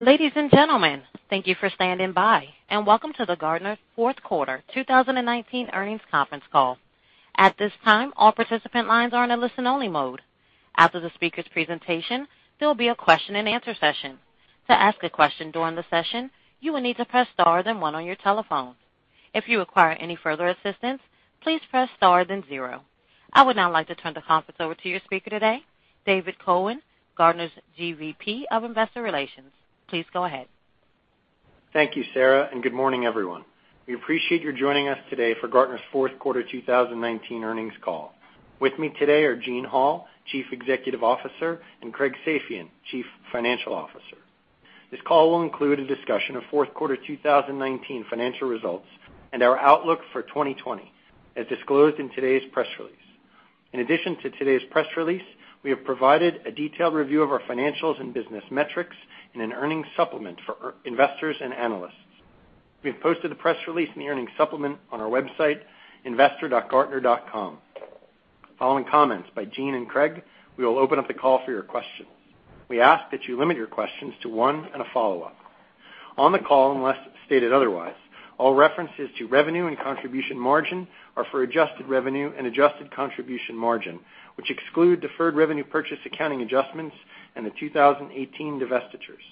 Ladies and gentlemen, thank you for standing by, and welcome to the Gartner Fourth Quarter 2019 Earnings Conference Call. At this time, all participant lines are in a listen-only mode. After the speaker's presentation, there will be a question-and-answer session. To ask a question during the session, you will need to press star then one on your telephone. If you require any further assistance, please press star then zero. I would now like to turn the conference over to your speaker today, David Cohen, Gartner's GVP of Investor Relations. Please go ahead. Thank you, Sarah. Good morning, everyone. We appreciate you joining us today for Gartner's Fourth Quarter 2019 Earnings Call. With me today are Gene Hall, Chief Executive Officer, and Craig Safian, Chief Financial Officer. This call will include a discussion of fourth quarter 2019 financial results and our outlook for 2020, as disclosed in today's press release. In addition to today's press release, we have provided a detailed review of our financials and business metrics in an earnings supplement for our investors and analysts. We have posted the press release and the earnings supplement on our website, investor.gartner.com. Following comments by Gene and Craig, we will open up the call for your questions. We ask that you limit your questions to one and a follow-up. On the call, unless stated otherwise, all references to revenue and contribution margin are for adjusted revenue and adjusted contribution margin, which exclude deferred revenue purchase accounting adjustments and the 2018 divestitures.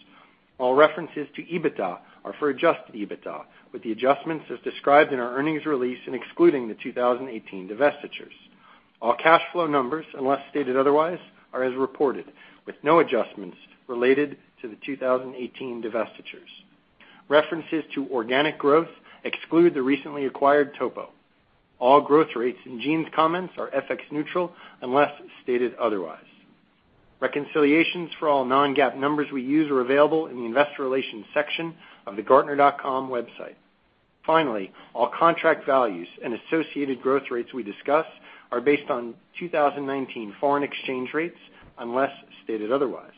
All references to EBITDA are for adjusted EBITDA, with the adjustments as described in our earnings release and excluding the 2018 divestitures. All cash flow numbers, unless stated otherwise, are as reported, with no adjustments related to the 2018 divestitures. References to organic growth exclude the recently acquired TOPO. All growth rates in Gene's comments are FX neutral unless stated otherwise. Reconciliations for all non-GAAP numbers we use are available in the investor relations section of the gartner.com website. Finally, all contract values and associated growth rates we discuss are based on 2019 foreign exchange rates unless stated otherwise.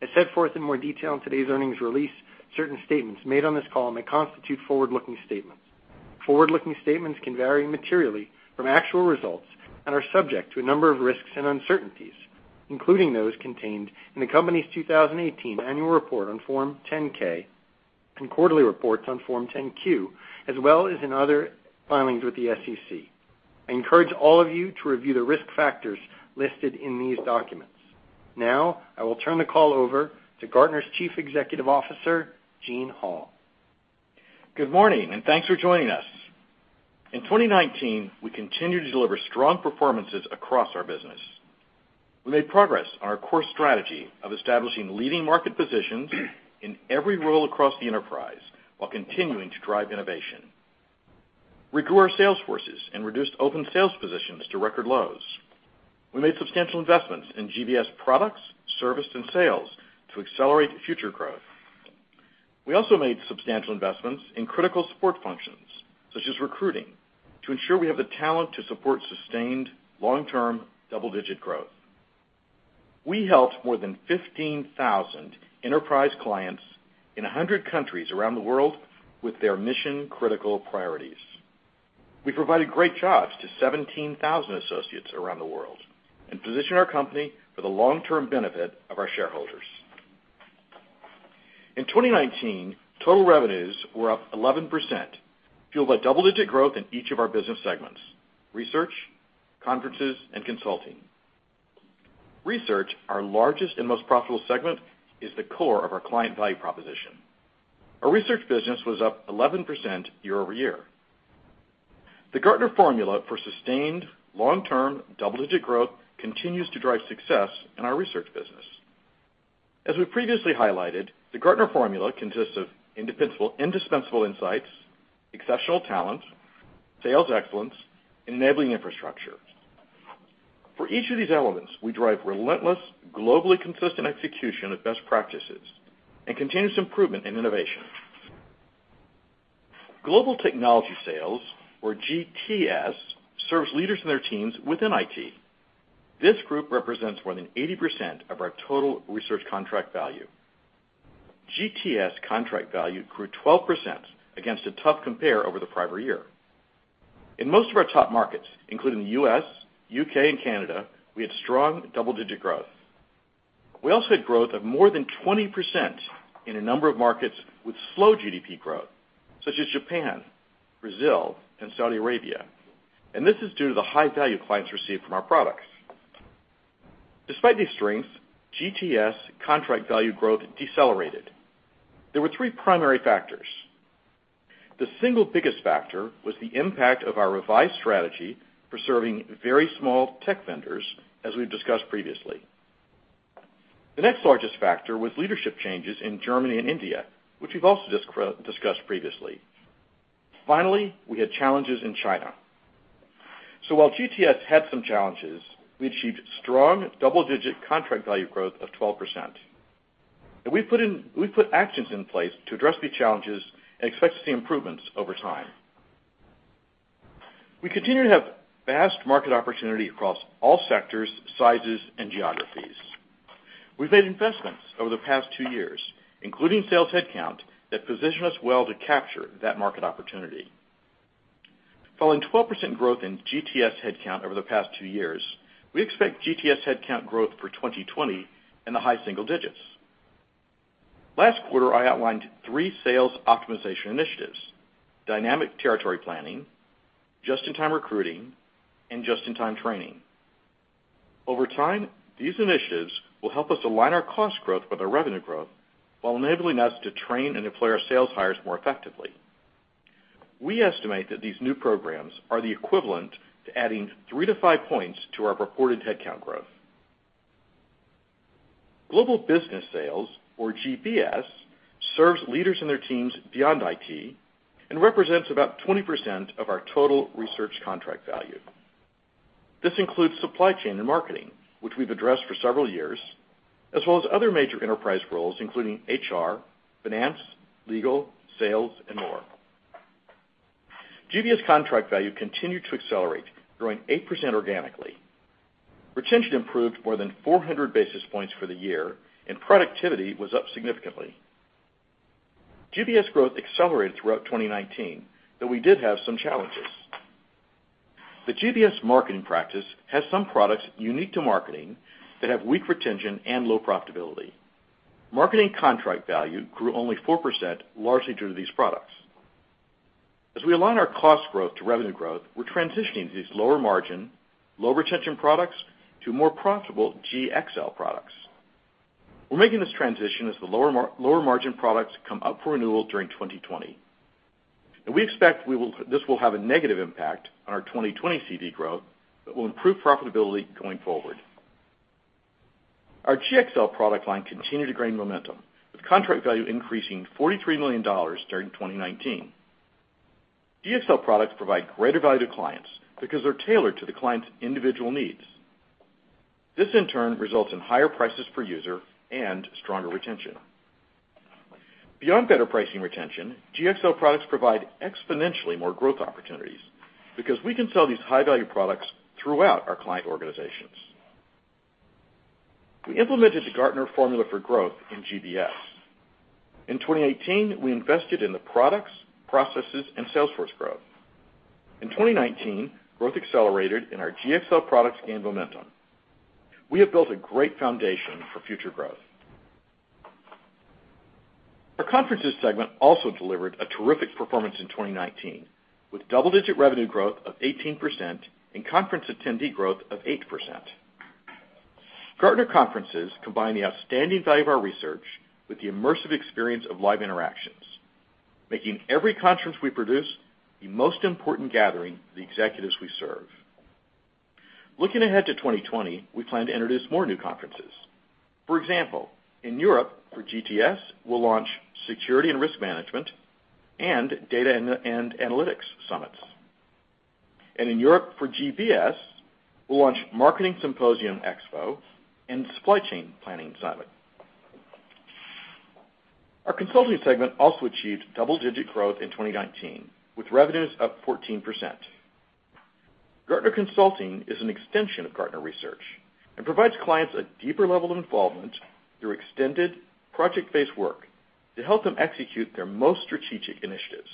As set forth in more detail in today's earnings release, certain statements made on this call may constitute forward-looking statements. Forward-looking statements can vary materially from actual results and are subject to a number of risks and uncertainties, including those contained in the company's 2018 Annual Report on Form 10-K and quarterly reports on Form 10-Q, as well as in other filings with the SEC. I encourage all of you to review the risk factors listed in these documents. Now, I will turn the call over to Gartner's Chief Executive Officer, Gene Hall. Good morning. Thanks for joining us. In 2019, we continued to deliver strong performances across our business. We made progress on our core strategy of establishing leading market positions in every role across the enterprise while continuing to drive innovation. We grew our sales forces and reduced open sales positions to record lows. We made substantial investments in GBS products, service, and sales to accelerate future growth. We also made substantial investments in critical support functions, such as recruiting, to ensure we have the talent to support sustained long-term double-digit growth. We helped more than 15,000 enterprise clients in 100 countries around the world with their mission-critical priorities. We provided great jobs to 17,000 associates around the world and positioned our company for the long-term benefit of our shareholders. In 2019, total revenues were up 11%, fueled by double-digit growth in each of our business segments: research, conferences, and consulting. Research, our largest and most profitable segment, is the core of our client value proposition. Our research business was up 11% year-over-year. The Gartner Formula for sustained long-term double-digit growth continues to drive success in our research business. As we previously highlighted, the Gartner Formula consists of indispensable insights, exceptional talent, sales excellence, enabling infrastructure. For each of these elements, we drive relentless, globally consistent execution of best practices and continuous improvement in innovation. Global Technology Sales, or GTS, serves leaders and their teams within IT. This group represents more than 80% of our total research contract value. GTS contract value grew 12% against a tough compare over the prior year. In most of our top markets, including the U.S., U.K., and Canada, we had strong double-digit growth. We also had growth of more than 20% in a number of markets with slow GDP growth, such as Japan, Brazil, and Saudi Arabia, and this is due to the high value clients receive from our products. Despite these strengths, GTS contract value growth decelerated. There were three primary factors. The single biggest factor was the impact of our revised strategy for serving very small tech vendors, as we've discussed previously. The next largest factor was leadership changes in Germany and India, which we've also discussed previously. Finally, we had challenges in China. While GTS had some challenges, we achieved strong double-digit contract value growth of 12%. We've put actions in place to address these challenges and expect to see improvements over time. We continue to have vast market opportunity across all sectors, sizes, and geographies. We've made investments over the past two years, including sales headcount, that position us well to capture that market opportunity. Following 12% growth in GTS headcount over the past two years, we expect GTS headcount growth for 2020 in the high single digits. Last quarter, I outlined three sales optimization initiatives, Dynamic Territory Planning, Just-in-Time Recruiting, and Just-in-Time Training. Over time, these initiatives will help us align our cost growth with our revenue growth while enabling us to train and deploy our sales hires more effectively. We estimate that these new programs are the equivalent to adding three to five points to our reported headcount growth. Global Business Sales, or GBS, serves leaders and their teams beyond IT and represents about 20% of our total research contract value. This includes supply chain and marketing, which we've addressed for several years, as well as other major enterprise roles, including HR, finance, legal, sales, and more. GBS contract value continued to accelerate, growing 8% organically. Retention improved more than 400 basis points for the year, and productivity was up significantly. GBS growth accelerated throughout 2019, though we did have some challenges. The GBS marketing practice has some products unique to marketing that have weak retention and low profitability. Marketing contract value grew only 4%, largely due to these products. As we align our cost growth to revenue growth, we're transitioning these lower margin, low retention products to more profitable GxL products. We're making this transition as the lower margin products come up for renewal during 2020. We expect this will have a negative impact on our 2020 CV growth but will improve profitability going forward. Our GxL product line continued to gain momentum, with contract value increasing $43 million during 2019. GxL products provide greater value to clients because they're tailored to the client's individual needs. This, in turn, results in higher prices per user and stronger retention. Beyond better pricing retention, GxL products provide exponentially more growth opportunities because we can sell these high-value products throughout our client organizations. We implemented the Gartner Formula for Growth in GBS. In 2018, we invested in the products, processes, and sales force growth. In 2019, growth accelerated and our GxL products gained momentum. We have built a great foundation for future growth. Our Conferences segment also delivered a terrific performance in 2019, with double-digit revenue growth of 18% and conference attendee growth of 8%. Gartner Conferences combine the outstanding value of our research with the immersive experience of live interactions, making every conference we produce the most important gathering for the executives we serve. Looking ahead to 2020, we plan to introduce more new conferences. For example, in Europe for GTS, we'll launch Security and Risk Management and Data and Analytics Summits. In Europe for GBS, we'll launch Marketing Symposium/Xpo and Supply Chain Planning Summit. Our Consulting segment also achieved double-digit growth in 2019, with revenues up 14%. Gartner Consulting is an extension of Gartner research and provides clients a deeper level of involvement through extended project-based work to help them execute their most strategic initiatives.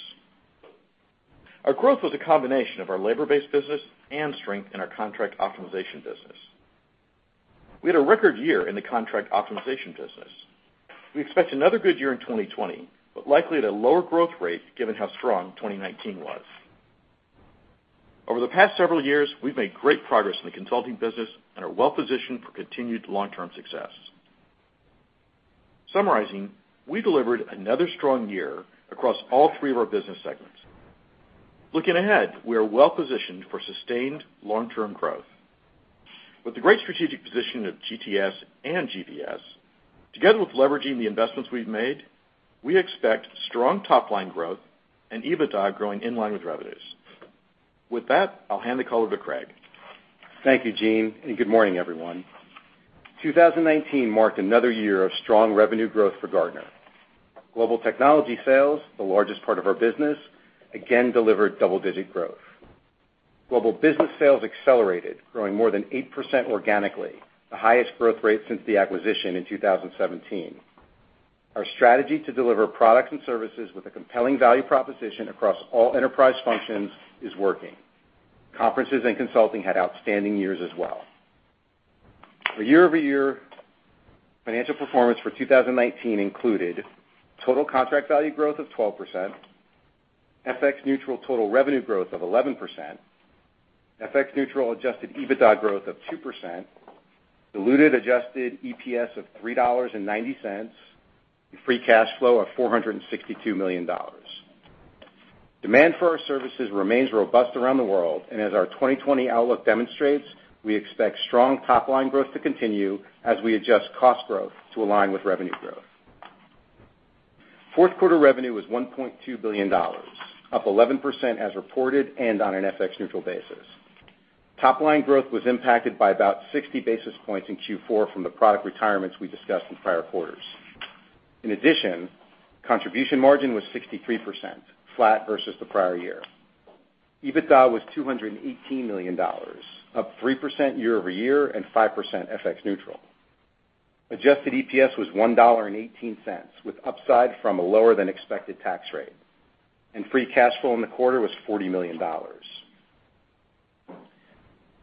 Our growth was a combination of our labor-based business and strength in our contract optimization business. We had a record year in the contract optimization business. We expect another good year in 2020, but likely at a lower growth rate given how strong 2019 was. Over the past several years, we've made great progress in the consulting business and are well-positioned for continued long-term success. Summarizing, we delivered another strong year across all three of our business segments. Looking ahead, we are well-positioned for sustained long-term growth. With the great strategic position of GTS and GBS, together with leveraging the investments we've made, we expect strong top-line growth and EBITDA growing in line with revenues. With that, I'll hand the call over to Craig. Thank you, Gene, and good morning, everyone. 2019 marked another year of strong revenue growth for Gartner. Global Technology Sales, the largest part of our business, again delivered double-digit growth. Global Business Sales accelerated, growing more than 8% organically, the highest growth rate since the acquisition in 2017. Our strategy to deliver products and services with a compelling value proposition across all enterprise functions is working. Conferences and Consulting had outstanding years as well. The year-over-year financial performance for 2019 included total contract value growth of 12%, FX neutral total revenue growth of 11%, FX neutral adjusted EBITDA growth of 2%, diluted adjusted EPS of $3.90, and free cash flow of $462 million. Demand for our services remains robust around the world. As our 2020 outlook demonstrates, we expect strong top-line growth to continue as we adjust cost growth to align with revenue growth. Fourth quarter revenue was $1.2 billion, up 11% as reported and on an FX neutral basis. Top-line growth was impacted by about 60 basis points in Q4 from the product retirements we discussed in prior quarters. In addition, contribution margin was 63%, flat versus the prior year. EBITDA was $218 million, up 3% year-over-year and 5% FX neutral. Adjusted EPS was $1.18, with upside from a lower than expected tax rate. Free cash flow in the quarter was $40 million.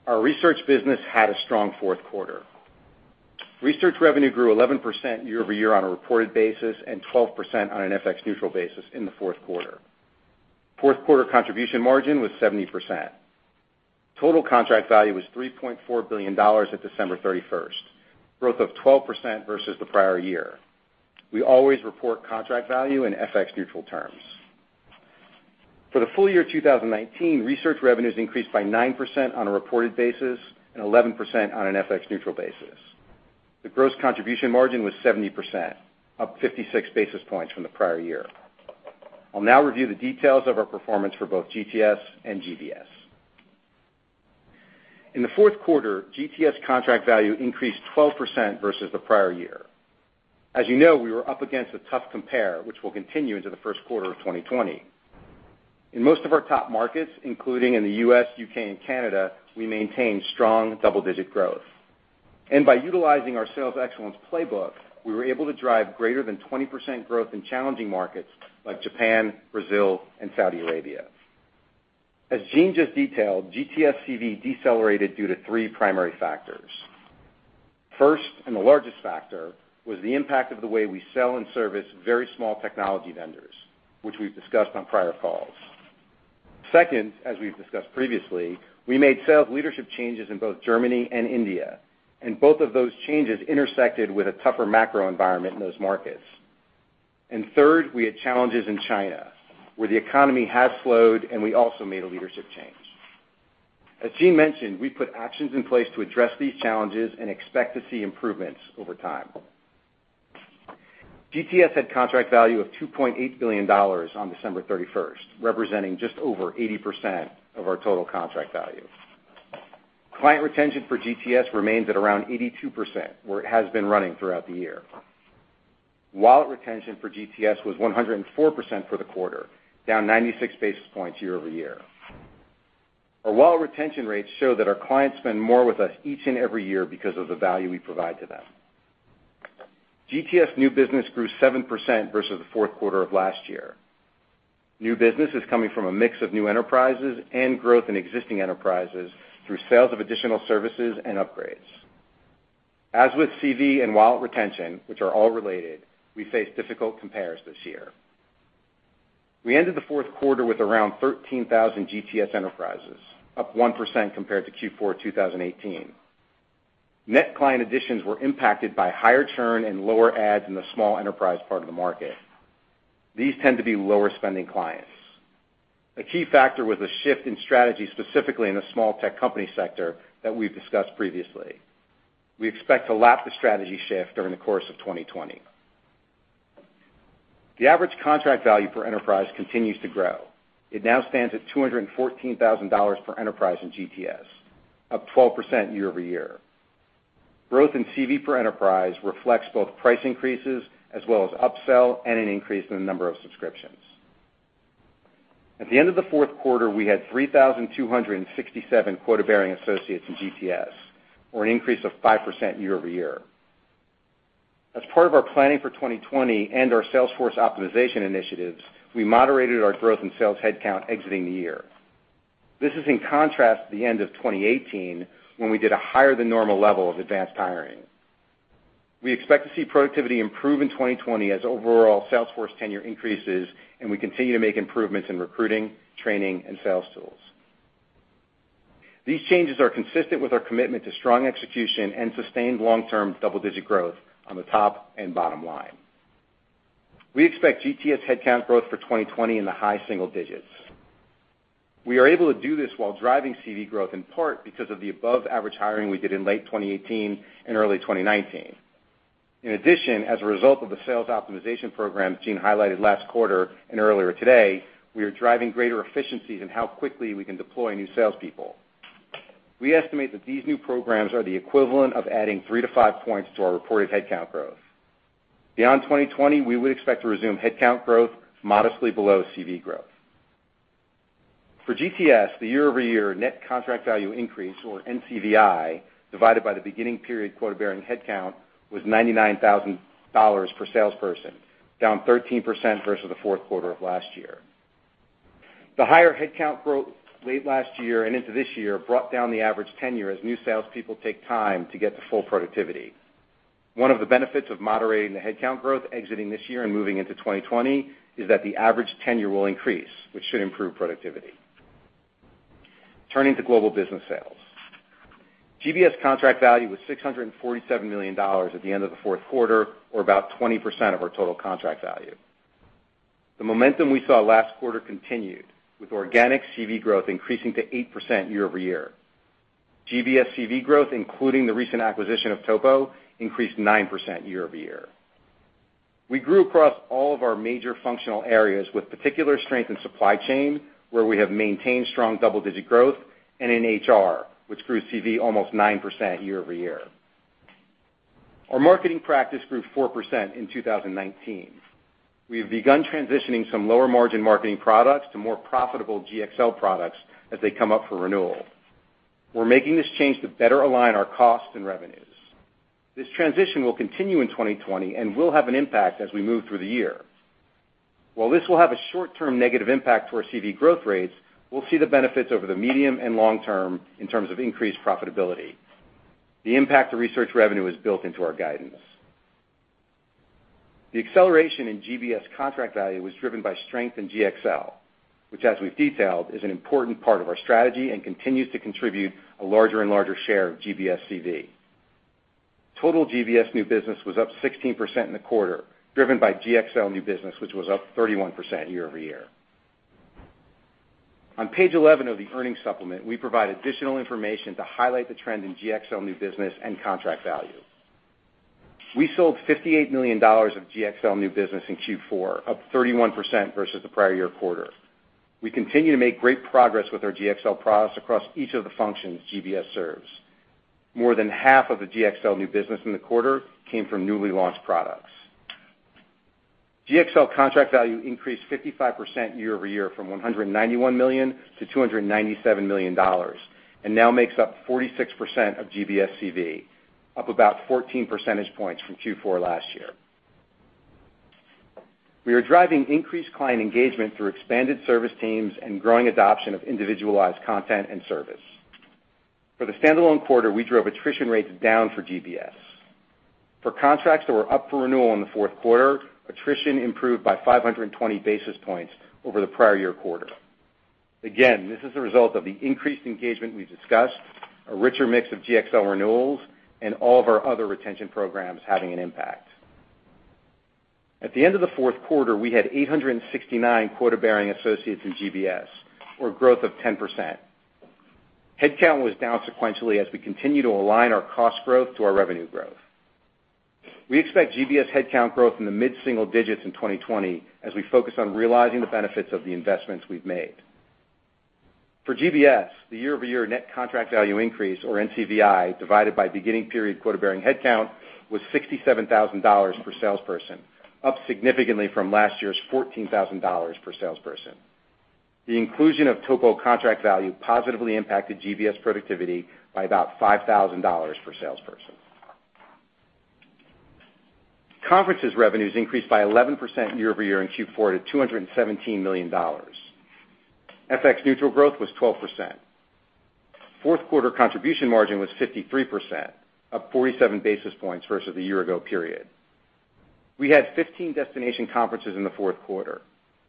Our research business had a strong fourth quarter. Research revenue grew 11% year-over-year on a reported basis, and 12% on an FX neutral basis in the fourth quarter. Fourth quarter contribution margin was 70%. Total contract value was $3.4 billion at December 31st, growth of 12% versus the prior year. We always report contract value in FX neutral terms. For the full-year 2019, research revenues increased by 9% on a reported basis and 11% on an FX neutral basis. The gross contribution margin was 70%, up 56 basis points from the prior year. I'll now review the details of our performance for both GTS and GBS. In the fourth quarter, GTS contract value increased 12% versus the prior year. As you know, we were up against a tough compare, which will continue into the first quarter of 2020. In most of our top markets, including in the U.S., U.K., and Canada, we maintained strong double-digit growth. By utilizing our sales excellence playbook, we were able to drive greater than 20% growth in challenging markets like Japan, Brazil, and Saudi Arabia. As Gene just detailed, GTS CV decelerated due to three primary factors. First, the largest factor, was the impact of the way we sell and service very small technology vendors, which we've discussed on prior calls. Second, as we've discussed previously, we made sales leadership changes in both Germany and India, both of those changes intersected with a tougher macro environment in those markets. Third, we had challenges in China, where the economy has slowed, we also made a leadership change. As Gene mentioned, we put actions in place to address these challenges and expect to see improvements over time. GTS had contract value of $2.8 billion on December 31st, representing just over 80% of our total contract value. Client retention for GTS remains at around 82%, where it has been running throughout the year. Wallet retention for GTS was 104% for the quarter, down 96 basis points year-over-year. Our wallet retention rates show that our clients spend more with us each and every year because of the value we provide to them. GTS new business grew 7% versus the fourth quarter of last year. New business is coming from a mix of new enterprises and growth in existing enterprises through sales of additional services and upgrades. As with CV and wallet retention, which are all related, we face difficult compares this year. We ended the fourth quarter with around 13,000 GTS enterprises, up 1% compared to Q4 2018. Net client adds were impacted by higher churn and lower adds in the small enterprise part of the market. These tend to be lower spending clients. A key factor was a shift in strategy, specifically in the small tech company sector that we've discussed previously. We expect to lap the strategy shift during the course of 2020. The average contract value per enterprise continues to grow. It now stands at $214,000 per enterprise in GTS, up 12% year-over-year. Growth in CV per enterprise reflects both price increases as well as upsell and an increase in the number of subscriptions. At the end of the fourth quarter, we had 3,267 quota-bearing associates in GTS, or an increase of 5% year-over-year. As part of our planning for 2020 and our sales force optimization initiatives, we moderated our growth in sales headcount exiting the year. This is in contrast to the end of 2018 when we did a higher than normal level of advanced hiring. We expect to see productivity improve in 2020 as overall sales force tenure increases and we continue to make improvements in recruiting, training, and sales tools. These changes are consistent with our commitment to strong execution and sustained long-term double-digit growth on the top and bottom line. We expect GTS headcount growth for 2020 in the high single digits. We are able to do this while driving CV growth in part because of the above average hiring we did in late 2018 and early 2019. In addition, as a result of the sales optimization program Gene highlighted last quarter and earlier today, we are driving greater efficiencies in how quickly we can deploy new salespeople. We estimate that these new programs are the equivalent of adding three to five points to our reported headcount growth. Beyond 2020, we would expect to resume headcount growth modestly below CV growth. For GTS, the year-over-year Net Contract Value Increase or NCVI, divided by the beginning period quota-bearing headcount was $99,000/salesperson, down 13% versus the fourth quarter of last year. The higher headcount growth late last year and into this year brought down the average tenure as new salespeople take time to get to full productivity. One of the benefits of moderating the headcount growth exiting this year and moving into 2020 is that the average tenure will increase, which should improve productivity. Turning to Global Business Sales. GBS contract value was $647 million at the end of the fourth quarter, or about 20% of our total contract value. The momentum we saw last quarter continued, with organic CV growth increasing to 8% year-over-year. GBS CV growth, including the recent acquisition of TOPO, increased 9% year-over-year. We grew across all of our major functional areas with particular strength in supply chain, where we have maintained strong double-digit growth, and in HR, which grew CV almost 9% year-over-year. Our marketing practice grew 4% in 2019. We have begun transitioning some lower margin marketing products to more profitable GxL products as they come up for renewal. We're making this change to better align our costs and revenues. This transition will continue in 2020 and will have an impact as we move through the year. While this will have a short-term negative impact to our CV growth rates, we'll see the benefits over the medium and long-term in terms of increased profitability. The impact to research revenue is built into our guidance. The acceleration in GBS contract value was driven by strength in GxL, which as we've detailed, is an important part of our strategy and continues to contribute a larger and larger share of GBS CV. Total GBS new business was up 16% in the quarter, driven by GxL new business, which was up 31% year-over-year. On page 11 of the earnings supplement, we provide additional information to highlight the trend in Gx new business and contract value. We sold $58 million of GxL new business in Q4, up 31% versus the prior year quarter. We continue to make great progress with our GxL products across each of the functions GBS serves. More than half of the GxL new business in the quarter came from newly launched products. GxL contract value increased 55% year-over-year from $191 million-$297 million, and now makes up 46% of GBS CV, up about 14 percentage points from Q4 last year. We are driving increased client engagement through expanded service teams and growing adoption of individualized content and service. For the standalone quarter, we drove attrition rates down for GBS. For contracts that were up for renewal in the fourth quarter, attrition improved by 520 basis points over the prior year quarter. This is a result of the increased engagement we've discussed, a richer mix of GxL renewals, and all of our other retention programs having an impact. At the end of the fourth quarter, we had 869 quota-bearing associates in GBS, or growth of 10%. Headcount was down sequentially as we continue to align our cost growth to our revenue growth. We expect GBS headcount growth in the mid-single digits in 2020 as we focus on realizing the benefits of the investments we've made. For GBS, the year-over-year Net Contract Value Increase or NCVI, divided by beginning period quota-bearing headcount was $67,000/salesperson, up significantly from last year's $14,000 per salesperson. The inclusion of TOPO contract value positively impacted GBS productivity by about $5,000/salesperson. Conferences revenues increased by 11% year-over-year in Q4 to $217 million. FX neutral growth was 12%. Fourth quarter contribution margin was 53%, up 47 basis points versus the year-ago period. We had 15 destination conferences in the fourth quarter.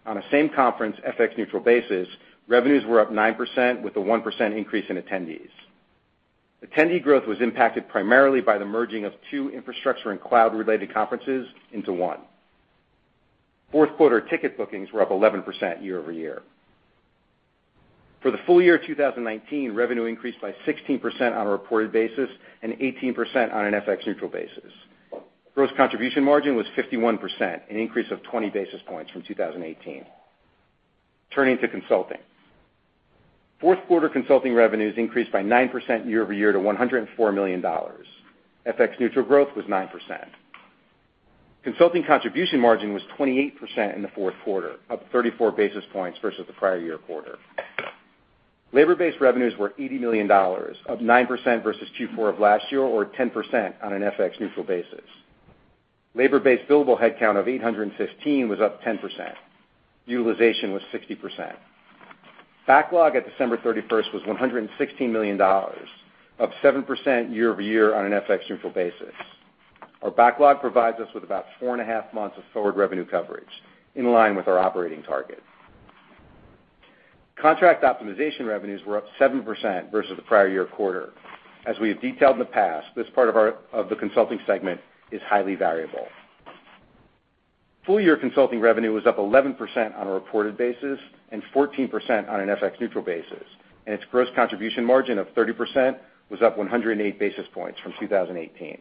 On a same conference FX neutral basis, revenues were up 9% with a 1% increase in attendees. Attendee growth was impacted primarily by the merging of two infrastructure and cloud-related conferences into one. Fourth quarter ticket bookings were up 11% year-over-year. For the full-year 2019, revenue increased by 16% on a reported basis and 18% on an FX neutral basis. Gross contribution margin was 51%, an increase of 20 basis points from 2018. Turning to consulting. Fourth quarter consulting revenues increased by 9% year-over-year to $104 million. FX neutral growth was 9%. Consulting contribution margin was 28% in the fourth quarter, up 34 basis points versus the prior year quarter. Labor-based revenues were $80 million, up 9% versus Q4 of last year or 10% on an FX neutral basis. Labor-based billable headcount of 815 was up 10%. Utilization was 60%. Backlog at December 31st was $116 million, up 7% year-over-year on an FX neutral basis. Our backlog provides us with about four and a half months of forward revenue coverage, in line with our operating target. Contract optimization revenues were up 7% versus the prior year quarter. As we have detailed in the past, this part of the consulting segment is highly variable. full-year consulting revenue was up 11% on a reported basis and 14% on an FX neutral basis, and its gross contribution margin of 30% was up 108 basis points from 2018.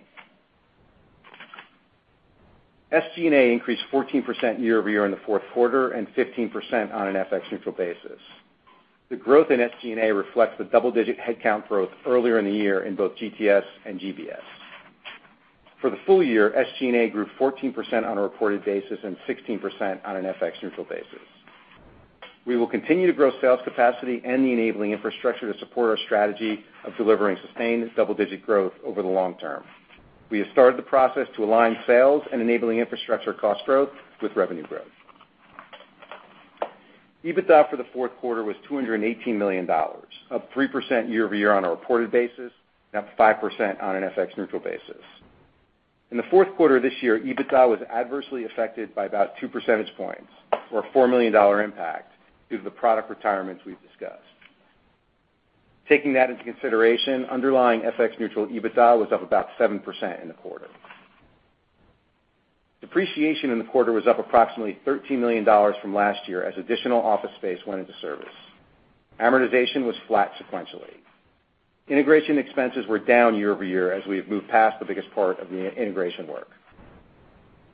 SG&A increased 14% year-over-year in the fourth quarter and 15% on an FX neutral basis. The growth in SG&A reflects the double-digit headcount growth earlier in the year in both GTS and GBS. For the full-year, SG&A grew 14% on a reported basis and 16% on an FX neutral basis. We will continue to grow sales capacity and the enabling infrastructure to support our strategy of delivering sustained double-digit growth over the long-term. We have started the process to align sales and enabling infrastructure cost growth with revenue growth. EBITDA for the fourth quarter was $218 million, up 3% year-over-year on a reported basis, up 5% on an FX neutral basis. In the fourth quarter this year, EBITDA was adversely affected by about 2 percentage points or a $4 million impact due to the product retirements we've discussed. Taking that into consideration, underlying FX neutral EBITDA was up about 7% in the quarter. Depreciation in the quarter was up approximately $13 million from last year as additional office space went into service. Amortization was flat sequentially. Integration expenses were down year-over-year as we have moved past the biggest part of the integration work.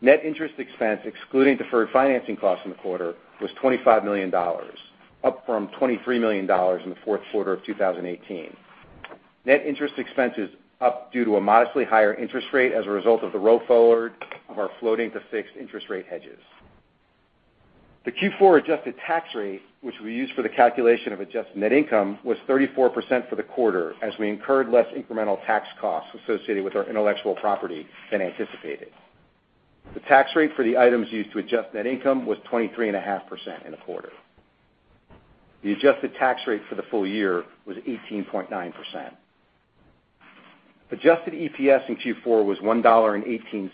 Net interest expense, excluding deferred financing costs in the quarter, was $25 million, up from $23 million in the fourth quarter of 2018. Net interest expense is up due to a modestly higher interest rate as a result of the roll forward of our floating to fixed interest rate hedges. The Q4 adjusted tax rate, which we use for the calculation of adjusted net income, was 34% for the quarter, as we incurred less incremental tax costs associated with our intellectual property than anticipated. The tax rate for the items used to adjust net income was 23.5% in the quarter. The adjusted tax rate for the full-year was 18.9%. Adjusted EPS in Q4 was $1.18,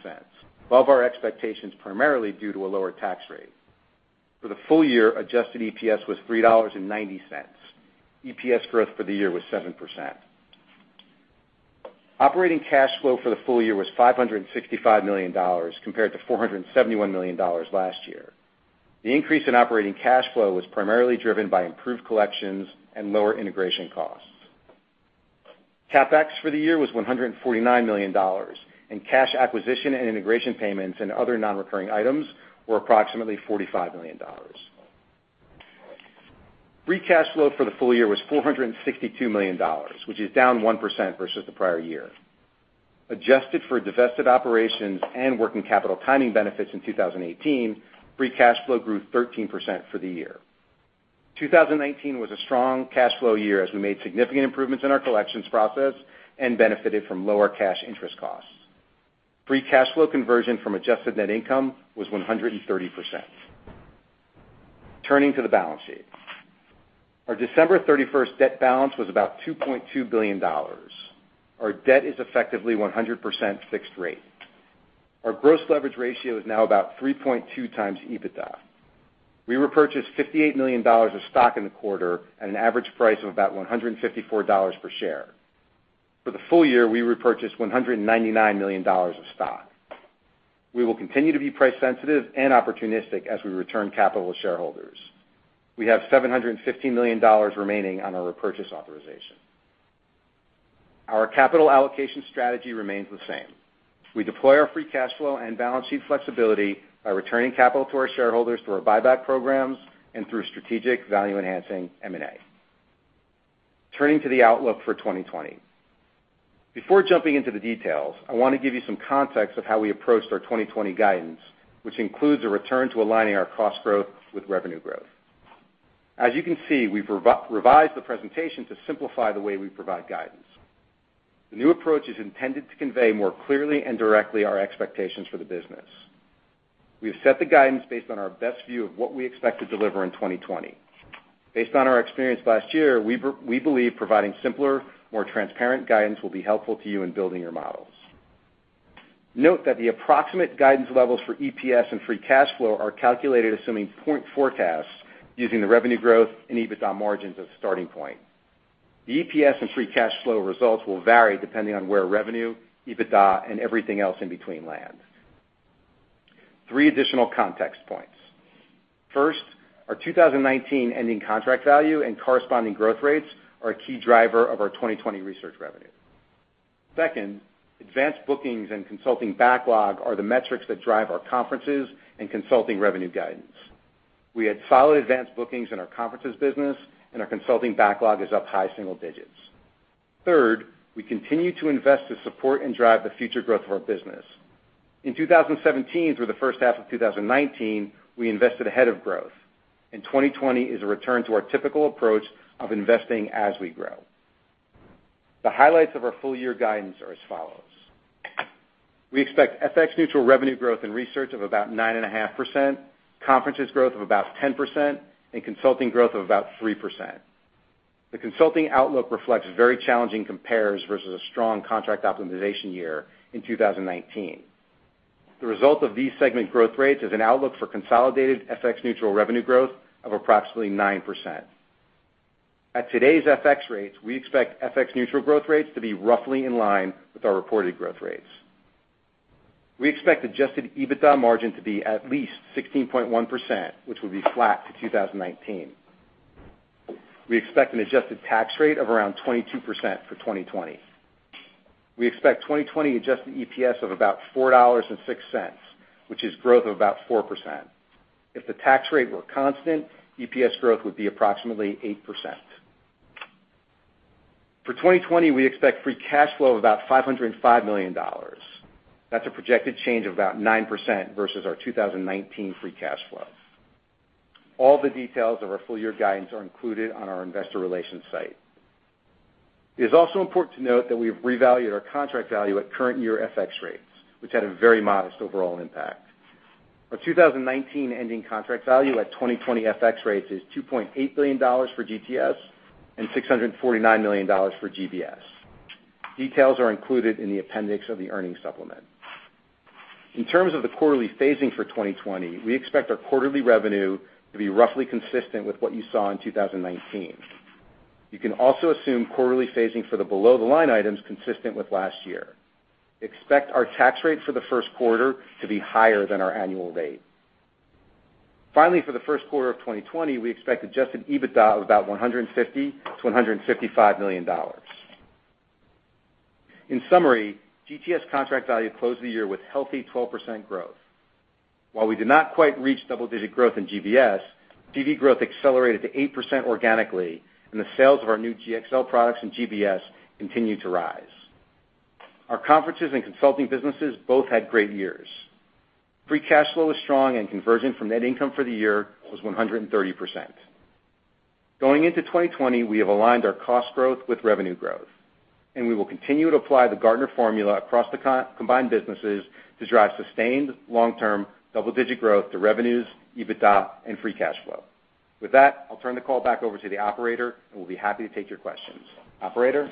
above our expectations, primarily due to a lower tax rate. For the full-year, adjusted EPS was $3.90. EPS growth for the year was 7%. Operating cash flow for the full-year was $565 million, compared to $471 million last year. The increase in operating cash flow was primarily driven by improved collections and lower integration costs. CapEx for the year was $149 million, and cash acquisition and integration payments and other non-recurring items were approximately $45 million. Free cash flow for the full-year was $462 million, which is down 1% versus the prior year. Adjusted for divested operations and working capital timing benefits in 2018, free cash flow grew 13% for the year. 2019 was a strong cash flow year as we made significant improvements in our collections process and benefited from lower cash interest costs. Free cash flow conversion from adjusted net income was 130%. Turning to the balance sheet. Our December 31st debt balance was about $2.2 billion. Our debt is effectively 100% fixed rate. Our gross leverage ratio is now about 3.2x EBITDA. We repurchased $58 million of stock in the quarter at an average price of about $154/share. For the full-year, we repurchased $199 million of stock. We will continue to be price sensitive and opportunistic as we return capital to shareholders. We have $750 million remaining on our repurchase authorization. Our capital allocation strategy remains the same. We deploy our free cash flow and balance sheet flexibility by returning capital to our shareholders through our buyback programs and through strategic value-enhancing M&A. Turning to the outlook for 2020. Before jumping into the details, I wanna give you some context of how we approached our 2020 guidance, which includes a return to aligning our cost growth with revenue growth. As you can see, we've revised the presentation to simplify the way we provide guidance. The new approach is intended to convey more clearly and directly our expectations for the business. We have set the guidance based on our best view of what we expect to deliver in 2020. Based on our experience last year, we believe providing simpler, more transparent guidance will be helpful to you in building your models. Note that the approximate guidance levels for EPS and free cash flow are calculated assuming point forecasts using the revenue growth and EBITDA margins as a starting point. The EPS and free cash flow results will vary depending on where revenue, EBITDA, and everything else in between land. Three additional context points. First, our 2019 ending contract value and corresponding growth rates are a key driver of our 2020 research revenue. Second, advanced bookings and consulting backlog are the metrics that drive our conferences and consulting revenue guidance. We had solid advanced bookings in our conferences business, and our consulting backlog is up high single digits. Third, we continue to invest to support and drive the future growth of our business. In 2017 through the first half of 2019, we invested ahead of growth. In 2020 is a return to our typical approach of investing as we grow. The highlights of our full-year guidance are as follows. We expect FX neutral revenue growth in research of about 9.5%, conferences growth of about 10%, and consulting growth of about 3%. The consulting outlook reflects very challenging compares versus a strong contract optimization year in 2019. The result of these segment growth rates is an outlook for consolidated FX neutral revenue growth of approximately 9%. At today's FX rates, we expect FX neutral growth rates to be roughly in line with our reported growth rates. We expect adjusted EBITDA margin to be at least 16.1%, which will be flat to 2019. We expect an adjusted tax rate of around 22% for 2020. We expect 2020 adjusted EPS of about $4.06, which is growth of about 4%. If the tax rate were constant, EPS growth would be approximately 8%. For 2020, we expect free cash flow of about $505 million. That's a projected change of about 9% versus our 2019 free cash flow. All the details of our full-year guidance are included on our investor relations site. It is also important to note that we've revalued our contract value at current year FX rates, which had a very modest overall impact. Our 2019 ending contract value at 2020 FX rates is $2.8 billion for GTS and $649 million for GBS. Details are included in the appendix of the earnings supplement. In terms of the quarterly phasing for 2020, we expect our quarterly revenue to be roughly consistent with what you saw in 2019. You can also assume quarterly phasing for the below the line items consistent with last year. Expect our tax rate for the first quarter to be higher than our annual rate. Finally, for the first quarter of 2020, we expect adjusted EBITDA of about $150 million-$155 million. In summary, GTS contract value closed the year with healthy 12% growth. While we did not quite reach double-digit growth in GBS, GTS growth accelerated to 8% organically, and the sales of our new GxL products in GBS continued to rise. Our conferences and consulting businesses both had great years. Free cash flow was strong. Conversion from net income for the year was 130%. Going into 2020, we have aligned our cost growth with revenue growth. We will continue to apply the Gartner Formula across the co-combined businesses to drive sustained long-term double-digit growth to revenues, EBITDA, and free cash flow. With that, I'll turn the call back over to the operator, and we'll be happy to take your questions. Operator?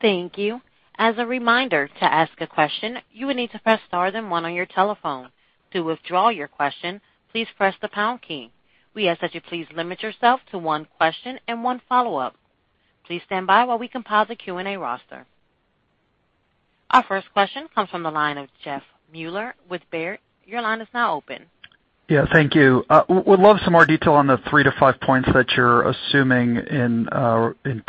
Thank you. As a reminder, to ask a question, you will need to press star then one on your telephone. To withdraw your question, please press the pound key. We ask that you please limit yourself to one question and one follow-up. Please stand by while we compile the Q&A roster. Our first question comes from the line of Jeff Meuler with Baird. Your line is now open. Yeah, thank you. Would love some more detail on the three to five points that you're assuming in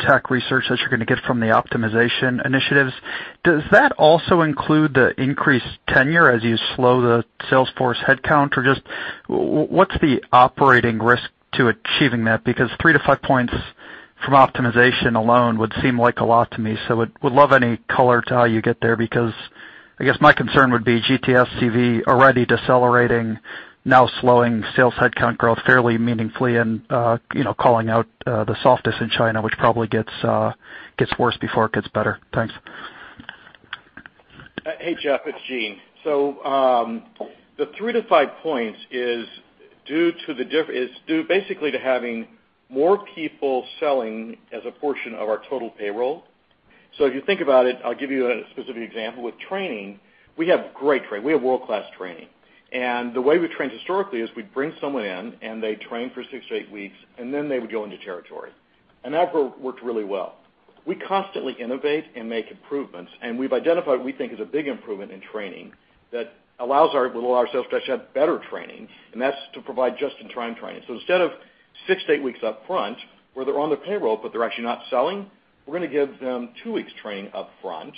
tech research that you're gonna get from the optimization initiatives. Does that also include the increased tenure as you slow the sales force headcount? Just what's the operating risk to achieving that? three to five points from optimization alone would seem like a lot to me. Would love any color to how you get there, because I guess my concern would be GTS, CV already decelerating, now slowing sales headcount growth fairly meaningfully and, you know, calling out the softness in China, which probably gets worse before it gets better. Thanks. Hey, Jeff, it's Gene. The three to five points is due basically to having more people selling as a portion of our total payroll. If you think about it, I'll give you a specific example. With training, we have great training. We have world-class training. The way we trained historically is we'd bring someone in, and they'd train for six to eight weeks, and then they would go into territory. That worked really well. We constantly innovate and make improvements, and we've identified what we think is a big improvement in training that allows our, will allow our sales guys to have better training, and that's to provide just-in-time training. Instead of six to eight weeks up front, where they're on the payroll but they're actually not selling, we're gonna give them two weeks training up front,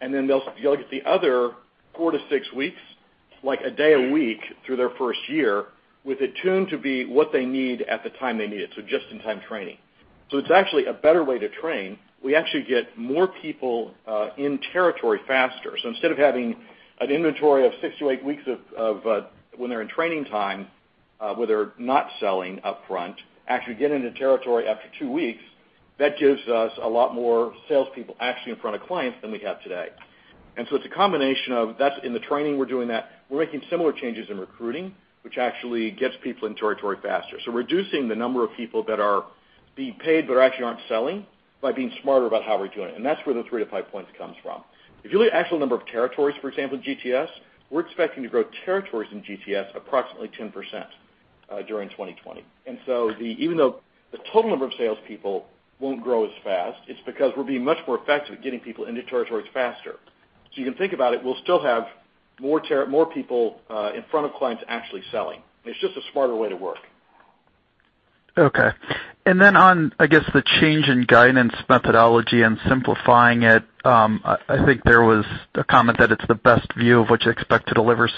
and then they'll get the other four to six weeks, like a day a week through their first year, with it tuned to be what they need at the time they need it, just-in-time training. We actually get more people in territory faster. Instead of having an inventory of six to eight weeks of when they're in training time, where they're not selling up front, actually get into territory after two weeks, that gives us a lot more salespeople actually in front of clients than we have today. It's a combination of that's in the training we're doing that. We're making similar changes in recruiting, which actually gets people in territory faster. Reducing the number of people that are being paid but actually aren't selling by being smarter about how we're doing it, and that's where the three to five points comes from. If you look at actual number of territories, for example, GTS, we're expecting to grow territories in GTS approximately 10% during 2020. Even though the total number of salespeople won't grow as fast, it's because we're being much more effective at getting people into territories faster. You can think about it, we'll still have more people in front of clients actually selling. It's just a smarter way to work. Okay. Then on, I guess, the change in guidance methodology and simplifying it, I think there was a comment that it's the best view of what you expect to deliver.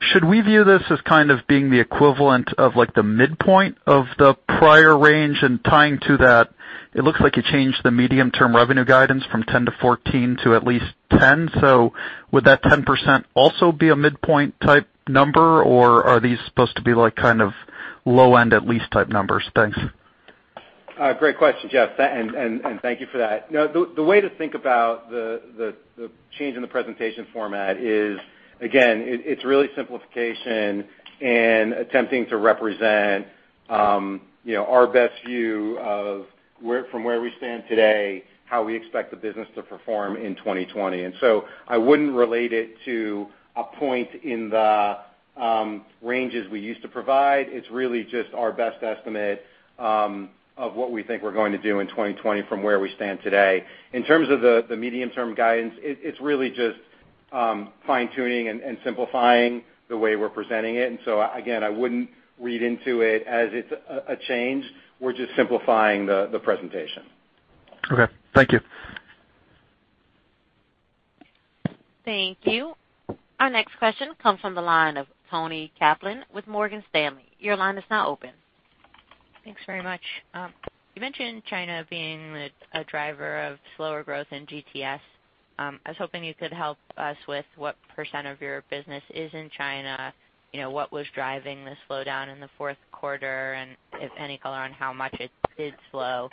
Should we view this as kind of being the equivalent of, like, the midpoint of the prior range? Tying to that, it looks like you changed the medium-term revenue guidance from 10%-14% to at least 10%. Would that 10% also be a midpoint-type number, or are these supposed to be, like, kind of low-end, at least type numbers? Thanks. Great question, Jeff, and thank you for that. No, the way to think about the change in the presentation format is, again, it's really simplification and attempting to represent, you know, our best view of where, from where we stand today, how we expect the business to perform in 2020. I wouldn't relate it to a point in the ranges we used to provide. It's really just our best estimate of what we think we're going to do in 2020 from where we stand today. In terms of the medium-term guidance, it's really just fine-tuning and simplifying the way we're presenting it. Again, I wouldn't read into it as it's a change. We're just simplifying the presentation. Okay. Thank you. Thank you. Our next question comes from the line of Toni Kaplan with Morgan Stanley. Your line is now open. Thanks very much. You mentioned China being a driver of slower growth in GTS. I was hoping you could help us with what percent of your business is in China, you know, what was driving the slowdown in the fourth quarter, and if any color on how much it did slow.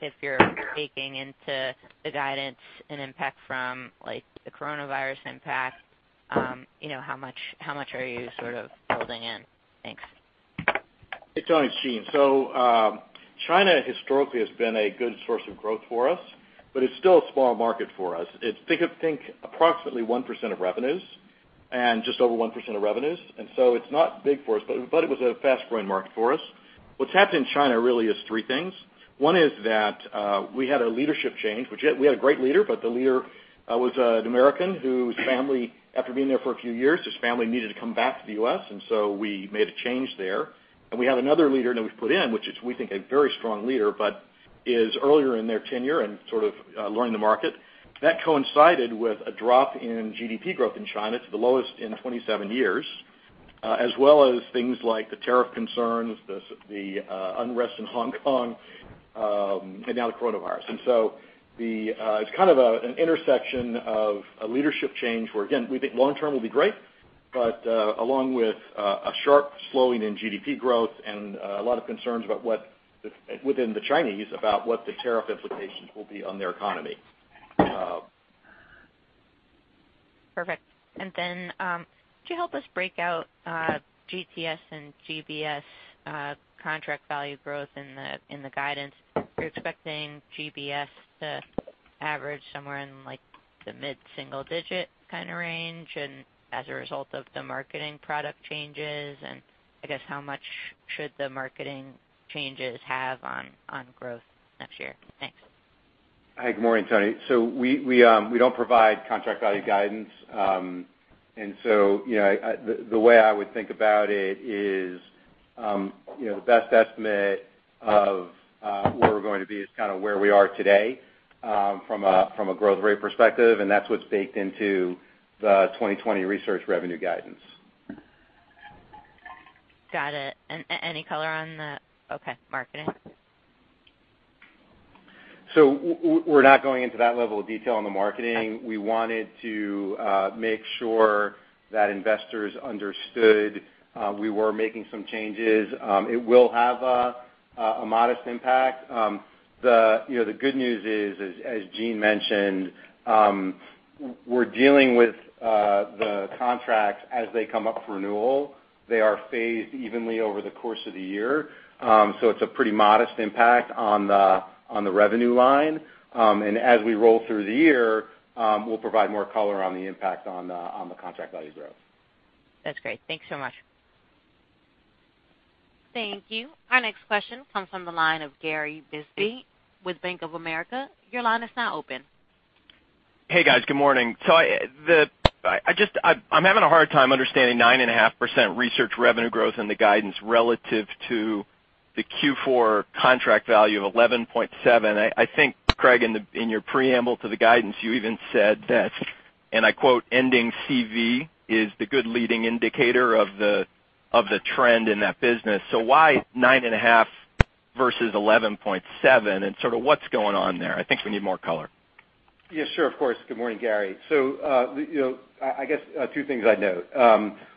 If you're baking into the guidance and impact from, like, the coronavirus impact, you know, how much are you sort of building in? Thanks. Hey, Toni, it's Gene. China historically has been a good source of growth for us, but it's still a small market for us. It's, think approximately 1% of revenues, and just over 1% of revenues. It's not big for us, but it was a fast-growing market for us. What's happened in China really is three things. One is that we had a leadership change, which we had a great leader, but the leader was an American whose family, after being there for a few years, his family needed to come back to the U.S. We made a change there. We have another leader that we've put in, which is we think a very strong leader, but is earlier in their tenure and sort of learning the market. That coincided with a drop in GDP growth in China to the lowest in 27 years. As well as things like the tariff concerns, the unrest in Hong Kong, and now the coronavirus. It's kind of an intersection of a leadership change where again, we think long-term will be great, but along with a sharp slowing in GDP growth and a lot of concerns about within the Chinese about what the tariff implications will be on their economy. Perfect. Could you help us break out GTS and GBS contract value growth in the guidance? Are you expecting GBS to average somewhere in like the mid-single-digit range, and as a result of the marketing product changes? I guess how much should the marketing changes have on growth next year? Thanks. Hey, good morning, Toni. We don't provide contract value guidance. You know, the way I would think about it is, you know, the best estimate of where we're going to be is kinda where we are today, from a growth rate perspective, and that's what's baked into the 2020 research revenue guidance. Got it. Any color on the marketing. We're not going into that level of detail on the marketing. We wanted to make sure that investors understood we were making some changes. It will have a modest impact. The, you know, the good news is, as Gene mentioned, We're dealing with the contracts as they come up for renewal. They are phased evenly over the course of the year. It's a pretty modest impact on the revenue line. As we roll through the year, we'll provide more color on the impact on the contract value growth. That's great. Thank you so much. Thank you. Our next question comes from the line of Gary Bisbee with Bank of America. Your line is now open. Hey, guys. Good morning. I'm having a hard time understanding 9.5% research revenue growth in the guidance relative to the Q4 contract value of 11.7%. I think, Craig, in your preamble to the guidance, you even said that, and I quote, "Ending CV is the good leading indicator of the trend in that business." Why 9.5% versus 11.7%, and sort of what's going on there? I think we need more color. Yeah, sure, of course. Good morning, Gary. The, you know, I guess, two things I'd note.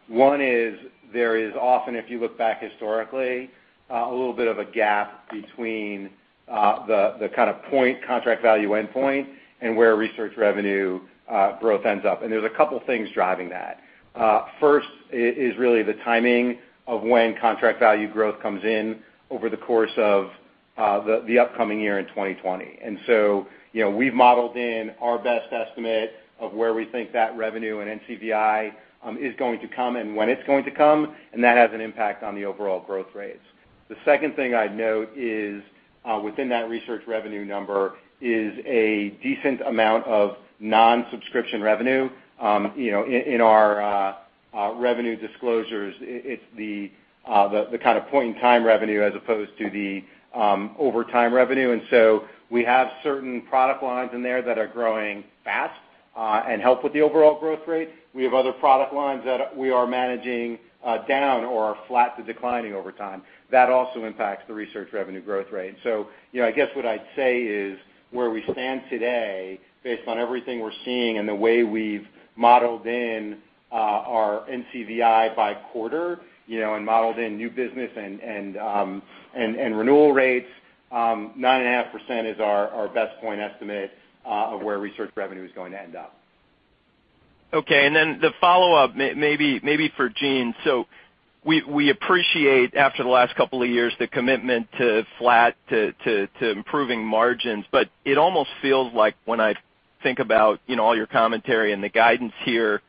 one is there is often, if you look back historically, a little bit of a gap between the kind of point, contract value endpoint and where research revenue growth ends up, and there's a couple things driving that. First is really the timing of when contract value growth comes in over the course of the upcoming year in 2020. You know, we've modeled in our best estimate of where we think that revenue and NCVI is going to come and when it's going to come, and that has an impact on the overall growth rates. The second thing I'd note is, within that research revenue number is a decent amount of non-subscription revenue. You know, in our revenue disclosures, it's the kind of point-in-time revenue as opposed to the over-time revenue. We have certain product lines in there that are growing fast and help with the overall growth rate. We have other product lines that we are managing down or are flat to declining over time. That also impacts the research revenue growth rate. You know, I guess what I'd say is where we stand today based on everything we're seeing and the way we've modeled in our NCVI by quarter, you know, and modeled in new business and renewal rates, 9.5% is our best point estimate of where research revenue is going to end up. The follow-up maybe for Gene. We appreciate after the last couple of years the commitment to flat to improving margins. It almost feels like when I think about, you know, all your commentary and the guidance here,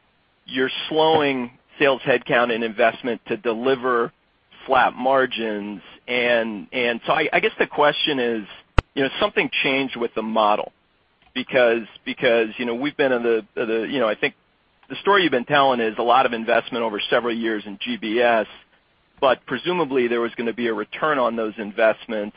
you're slowing sales headcount and investment to deliver flat margins. I guess the question is, you know, something changed with the model because, you know, I think the story you've been telling is a lot of investment over several years in GBS, but presumably there was gonna be a return on those investments.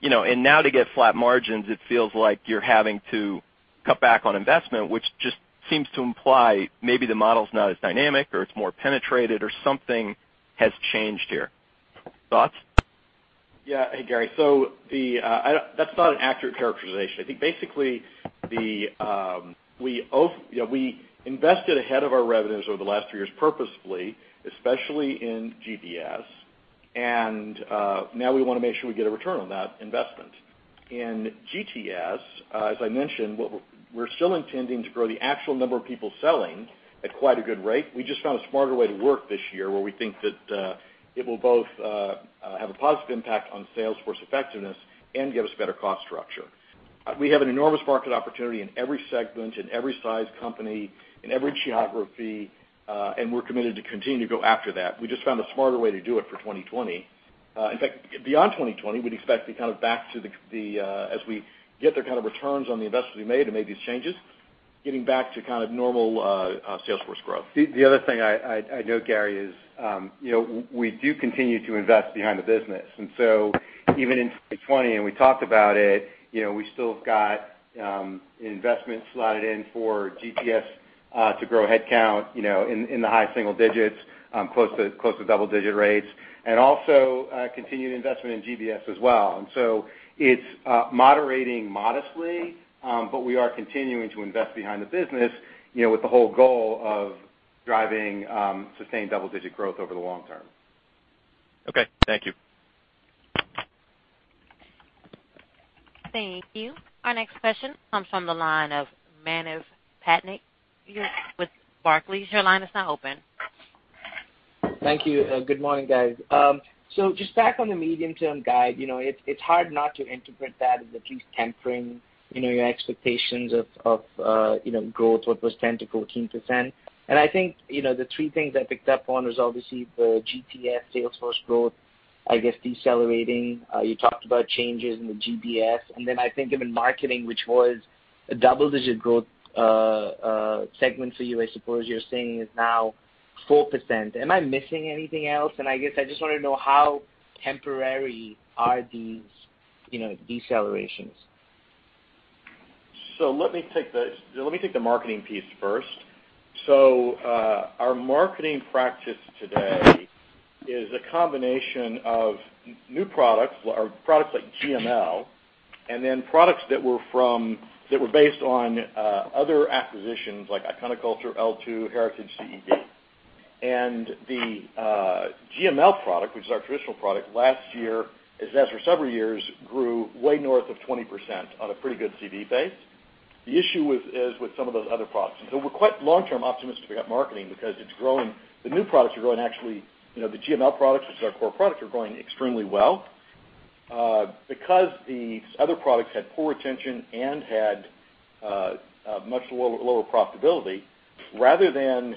You know, now to get flat margins, it feels like you're having to cut back on investment, which just seems to imply maybe the model's not as dynamic or it's more penetrated or something has changed here. Thoughts? Yeah. Hey, Gary. That's not an accurate characterization. I think basically the, You know, we invested ahead of our revenues over the last three years purposefully, especially in GBS, and now we wanna make sure we get a return on that investment. In GTS, as I mentioned, we're still intending to grow the actual number of people selling at quite a good rate. We just found a smarter way to work this year, where we think that, it will both have a positive impact on sales force effectiveness and give us better cost structure. We have an enormous market opportunity in every segment, in every size company, in every geography, and we're committed to continue to go after that. We just found a smarter way to do it for 2020. In fact, beyond 2020, we'd expect to be kind of back to the, as we get the kind of returns on the investments we made to make these changes, getting back to kind of normal, sales force growth. The other thing I note, Gary, is, you know, we do continue to invest behind the business. Even in 2020, and we talked about it, you know, we still have got investments slotted in for GTS. To grow headcount, you know, in the high single digits, close to double-digit rates, and also, continued investment in GBS as well. It's moderating modestly, but we are continuing to invest behind the business, you know, with the whole goal of driving sustained double-digit growth over the long term. Okay. Thank you. Thank you. Our next question comes from the line of Manav Patnaik. You're with Barclays. Your line is now open. Thank you. Good morning, guys. Just back on the medium-term guide, you know, it's hard not to interpret that as at least tempering, you know, your expectations of, you know, growth what was 10%-14%. I think, you know, the three things I picked up on was obviously the GTS sales force growth, I guess, decelerating. You talked about changes in the GBS, then I think even marketing, which was a double-digit growth, segment for you, I suppose you're saying is now 4%. Am I missing anything else? I guess I just wanna know how temporary are these, you know, decelerations. Let me take the marketing piece first. Our marketing practice today is a combination of new products or products like GML, and then products that were based on other acquisitions like Iconoculture, L2, Heritage CEB. The GML product, which is our traditional product, last year, as it has for several years, grew way north of 20% on a pretty good CV base. The issue is with some of those other products. We're quite long-term optimistic about marketing because it's growing. The new products are growing actually, you know, the GML products, which is our core product, are growing extremely well. Because the other products had poor retention and had much lower profitability, rather than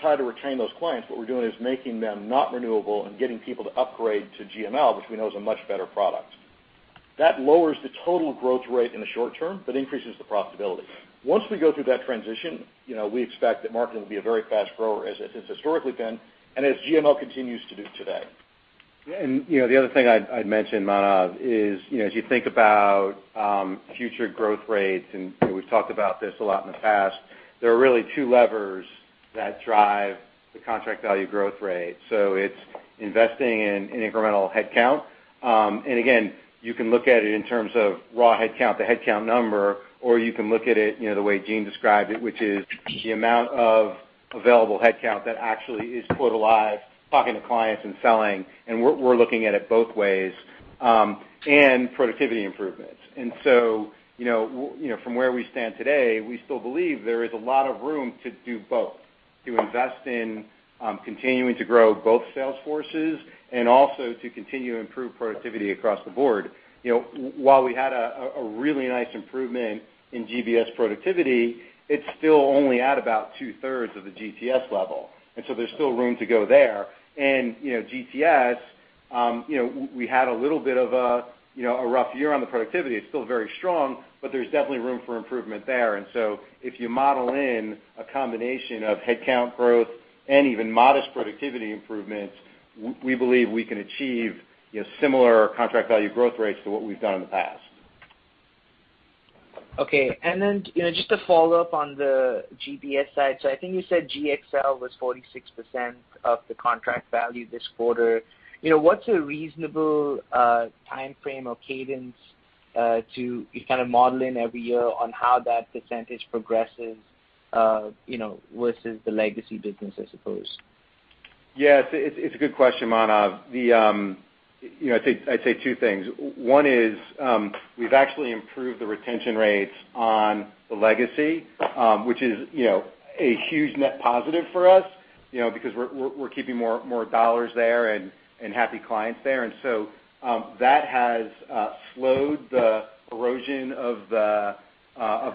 try to retain those clients, what we're doing is making them not renewable and getting people to upgrade to GML, which we know is a much better product. That lowers the total growth rate in the short term, but increases the profitability. Once we go through that transition, you know, we expect that marketing will be a very fast grower as it's historically been, and as GML continues to do today. Yeah, you know, the other thing I'd mention, Manav, is, you know, as you think about future growth rates, and, you know, we've talked about this a lot in the past, there are really two levers that drive the contract value growth rate. It's investing in incremental headcount. Again, you can look at it in terms of raw headcount, the headcount number, or you can look at it, you know, the way Gene described it, which is the amount of available headcount that actually is totaling, talking to clients and selling, and we're looking at it both ways, and productivity improvements. You know, from where we stand today, we still believe there is a lot of room to do both, to invest in, continuing to grow both sales forces and also to continue to improve productivity across the board. You know, while we had a really nice improvement in GBS productivity, it's still only at about two-thirds of the GTS level. There's still room to go there. You know, GTS, you know, we had a little bit of a, you know, a rough year on the productivity. It's still very strong, but there's definitely room for improvement there. If you model in a combination of headcount growth and even modest productivity improvements, we believe we can achieve, you know, similar contract value growth rates to what we've done in the past. Okay. You know, just to follow up on the GBS side. I think you said GxL was 46% of the contract value this quarter. You know, what's a reasonable timeframe or cadence to be kind of modeling every year on how that percentage progresses, you know, versus the legacy business, I suppose? Yeah, it's a good question, Manav. The, you know, I'd say two things. One is, we've actually improved the retention rates on the legacy, which is, you know, a huge net positive for us, you know, because we're keeping more dollars there and happy clients there. That has slowed the erosion of the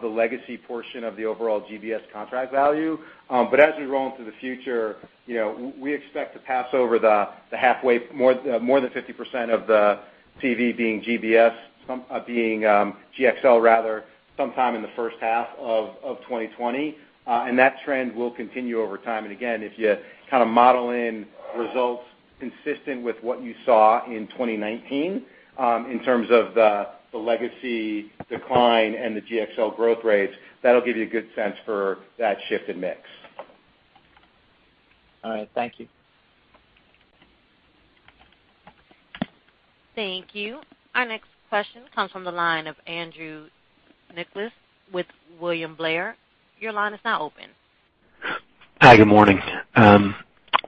legacy portion of the overall GBS contract value. As we roll into the future, you know, we expect to pass over the halfway more than 50% of the CV being GBS, some being GxL rather, sometime in the first half of 2020. That trend will continue over time. Again, if you kinda model in results consistent with what you saw in 2019, in terms of the legacy decline and the GxL growth rates, that'll give you a good sense for that shift in mix. All right. Thank you. Thank you. Our next question comes from the line of Andrew Nicholas with William Blair. Your line is now open. Hi, good morning.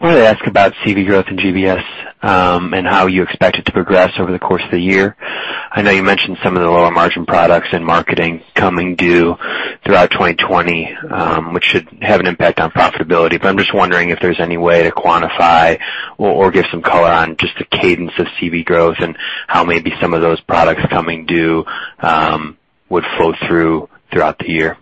Wanted to ask about CV growth in GBS, and how you expect it to progress over the course of the year. I know you mentioned some of the lower margin products in marketing coming due throughout 2020, which should have an impact on profitability. I'm just wondering if there's any way to quantify or give some color on just the cadence of CV growth and how maybe some of those products coming due would flow through throughout the year.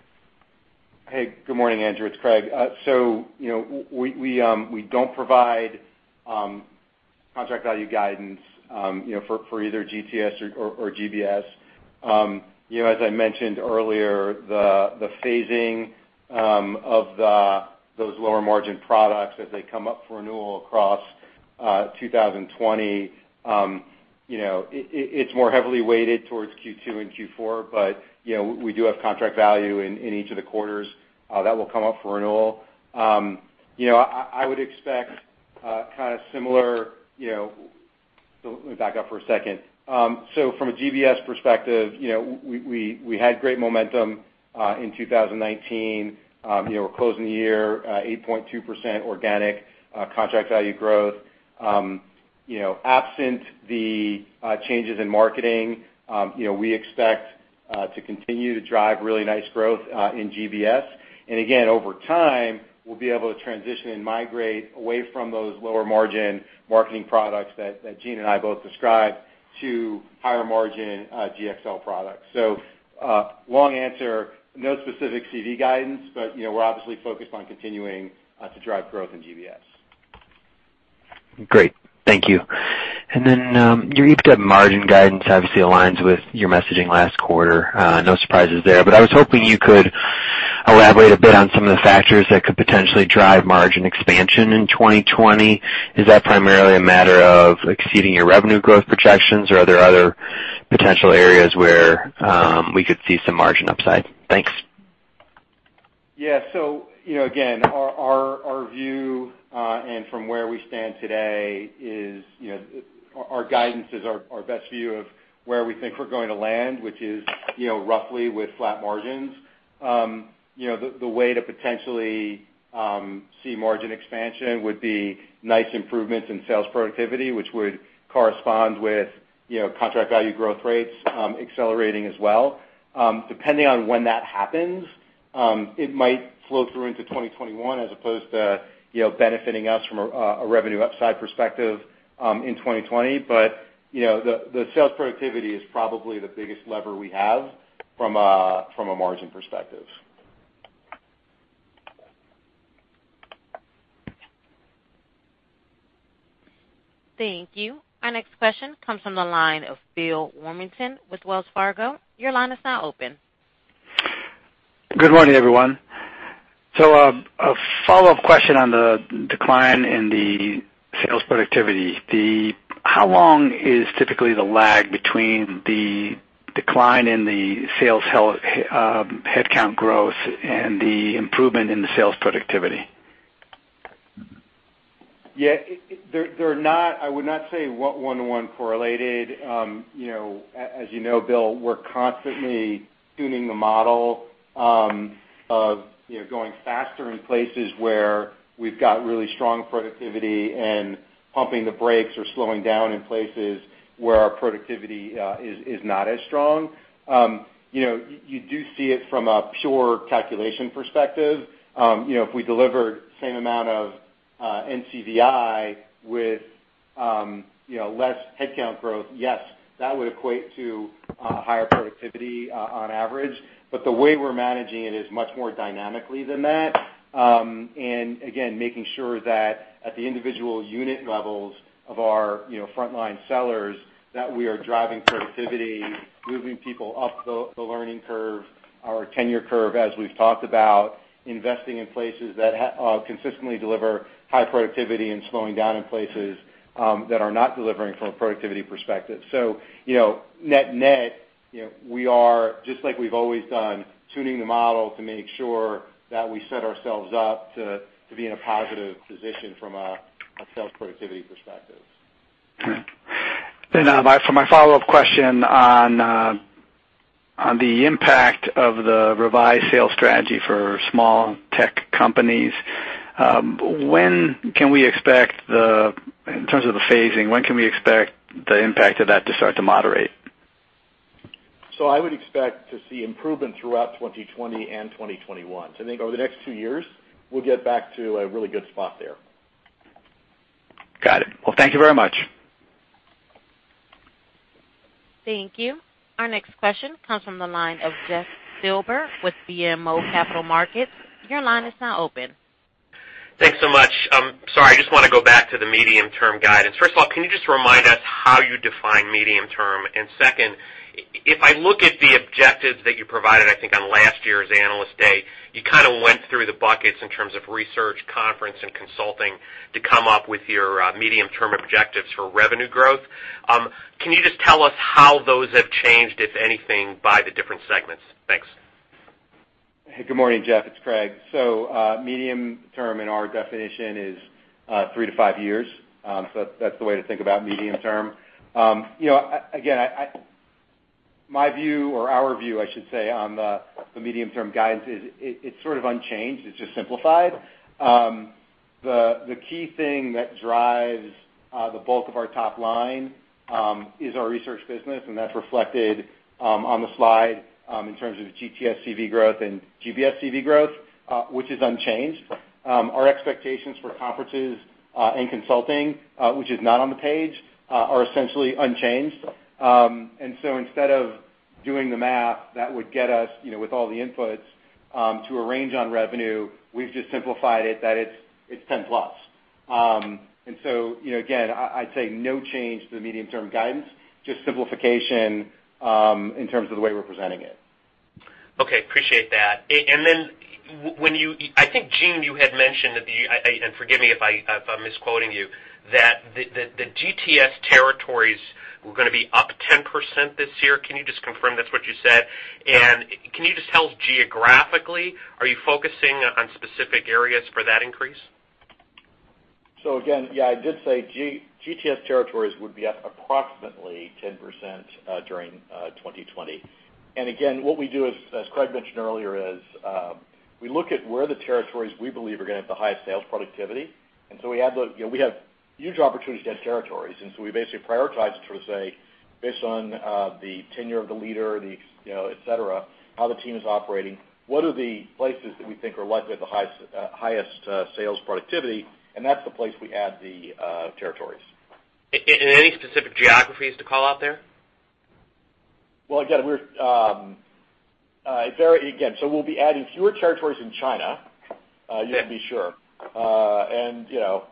Hey, good morning, Andrew. It's Craig. you know, we don't provide contract value guidance, you know, for either GTS or GBS. you know, as I mentioned earlier, the phasing of those lower margin products as they come up for renewal across 2020, it's more heavily weighted towards Q2 and Q4, but we do have contract value in each of the quarters that will come up for renewal. I would expect kind of similar. So let me back up for a second. From a GBS perspective, we had great momentum in 2019. We're closing the year 8.2% organic contract value growth. Absent the changes in marketing, we expect to continue to drive really nice growth in GBS. Again, over time, we'll be able to transition and migrate away from those lower margin marketing products that Gene and I both described to higher margin GxL products. Long answer, no specific CV guidance, but, you know, we're obviously focused on continuing to drive growth in GBS. Great. Thank you. Your EBITDA margin guidance obviously aligns with your messaging last quarter. No surprises there. I was hoping you could elaborate a bit on some of the factors that could potentially drive margin expansion in 2020. Is that primarily a matter of exceeding your revenue growth projections, or are there other potential areas where we could see some margin upside? Thanks. Yeah. You know, again, our view, and from where we stand today is, you know, our guidance is our best view of where we think we're going to land, which is, you know, roughly with flat margins. You know, the way to potentially see margin expansion would be nice improvements in sales productivity, which would correspond with, you know, contract value growth rates accelerating as well. Depending on when that happens, it might flow through into 2021 as opposed to, you know, benefiting us from a revenue upside perspective in 2020. You know, the sales productivity is probably the biggest lever we have from a margin perspective. Thank you. Our next question comes from the line of Bill Warmington with Wells Fargo. Your line is now open. Good morning, everyone. A follow-up question on the decline in the sales productivity. How long is typically the lag between the decline in the sales health, headcount growth and the improvement in the sales productivity? They're not, I would not say one-to-one correlated. You know, as you know, Bill, we're constantly tuning the model, of, you know, going faster in places where we've got really strong productivity and pumping the brakes or slowing down in places where our productivity is not as strong. You know, you do see it from a pure calculation perspective. You know, if we delivered same amount of NCVI with, you know, less headcount growth, yes, that would equate to higher productivity on average. The way we're managing it is much more dynamically than that. And again, making sure that at the individual unit levels of our, you know, frontline sellers, that we are driving productivity, moving people up the learning curve, our tenure curve, as we've talked about, investing in places that consistently deliver high productivity and slowing down in places that are not delivering from a productivity perspective. You know, net-net, you know, we are, just like we've always done, tuning the model to make sure that we set ourselves up to be in a positive position from a sales productivity perspective. Okay. For my follow-up question on the impact of the revised sales strategy for small tech companies, when can we expect the impact of that to start to moderate? I would expect to see improvement throughout 2020 and 2021. I think over the next two years, we'll get back to a really good spot there. Got it. Well, thank you very much. Thank you. Our next question comes from the line of Jeff Silber with BMO Capital Markets. Your line is now open. Thanks so much. Sorry, I just wanna go back to the medium-term guidance. First of all, can you just remind us how you define medium term? Second, if I look at the objectives that you provided, I think on last year's Analyst Day, you kinda went through the buckets in terms of research, conference, and consulting to come up with your medium-term objectives for revenue growth. Can you just tell us how those have changed, if anything, by the different segments? Thanks. Good morning, Jeff. It's Craig. Medium-term in our definition is three to five years. That's the way to think about medium-term. You know, again, my view or our view, I should say, on the medium-term guidance is it's sort of unchanged. It's just simplified. The key thing that drives the bulk of our top line is our research business, and that's reflected on the slide in terms of GTS CV growth and GBS CV growth, which is unchanged. Our expectations for conferences and consulting, which is not on the page, are essentially unchanged. Instead of doing the math, that would get us, you know, with all the inputs, to a range on revenue, we've just simplified it that it's 10 plus. You know, again, I'd say no change to the medium-term guidance, just simplification in terms of the way we're presenting it. Okay, appreciate that. I think, Gene, you had mentioned and forgive me if I'm misquoting you, that the GTS territories were gonna be up 10% this year. Can you just confirm that's what you said? Yeah. Can you just tell us geographically, are you focusing on specific areas for that increase? Again, yeah, I did say GTS territories would be up approximately 10% during 2020. Again, what we do is, as Craig mentioned earlier, is, we look at where the territories we believe are gonna have the highest sales productivity. So we add You know, we have huge opportunities to add territories. So we basically prioritize to sort of say, based on the tenure of the leader, the, you know, et cetera, how the team is operating, what are the places that we think are likely to have the highest sales productivity, and that's the place we add the territories. Any specific geographies to call out there? We'll be adding fewer territories in China. Yeah. you can be sure. you know.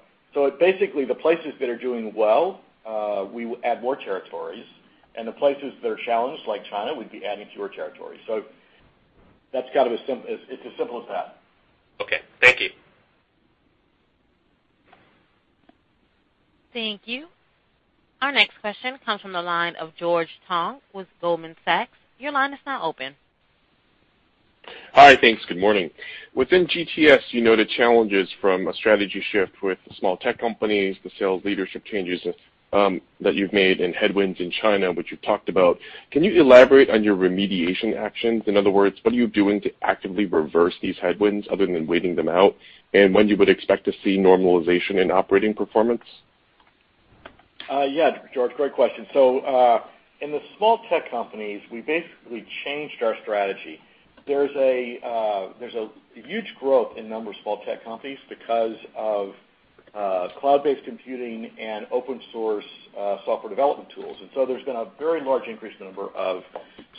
Basically, the places that are doing well, we add more territories, and the places that are challenged, like China, we'd be adding fewer territories. That's kind of as simple as that. Okay. Thank you. Thank you. Our next question comes from the line of George Tong with Goldman Sachs. Your line is now open. Hi. Thanks. Good morning. Within GTS, you noted challenges from a strategy shift with the small tech companies, the sales leadership changes, that you've made, and headwinds in China, which you've talked about. Can you elaborate on your remediation actions? In other words, what are you doing to actively reverse these headwinds other than waiting them out? When you would expect to see normalization in operating performance? Yeah, George, great question. In the small tech companies, we basically changed our strategy. There's a huge growth in number of small tech companies because of cloud-based computing and open source software development tools. There's been a very large increase in the number of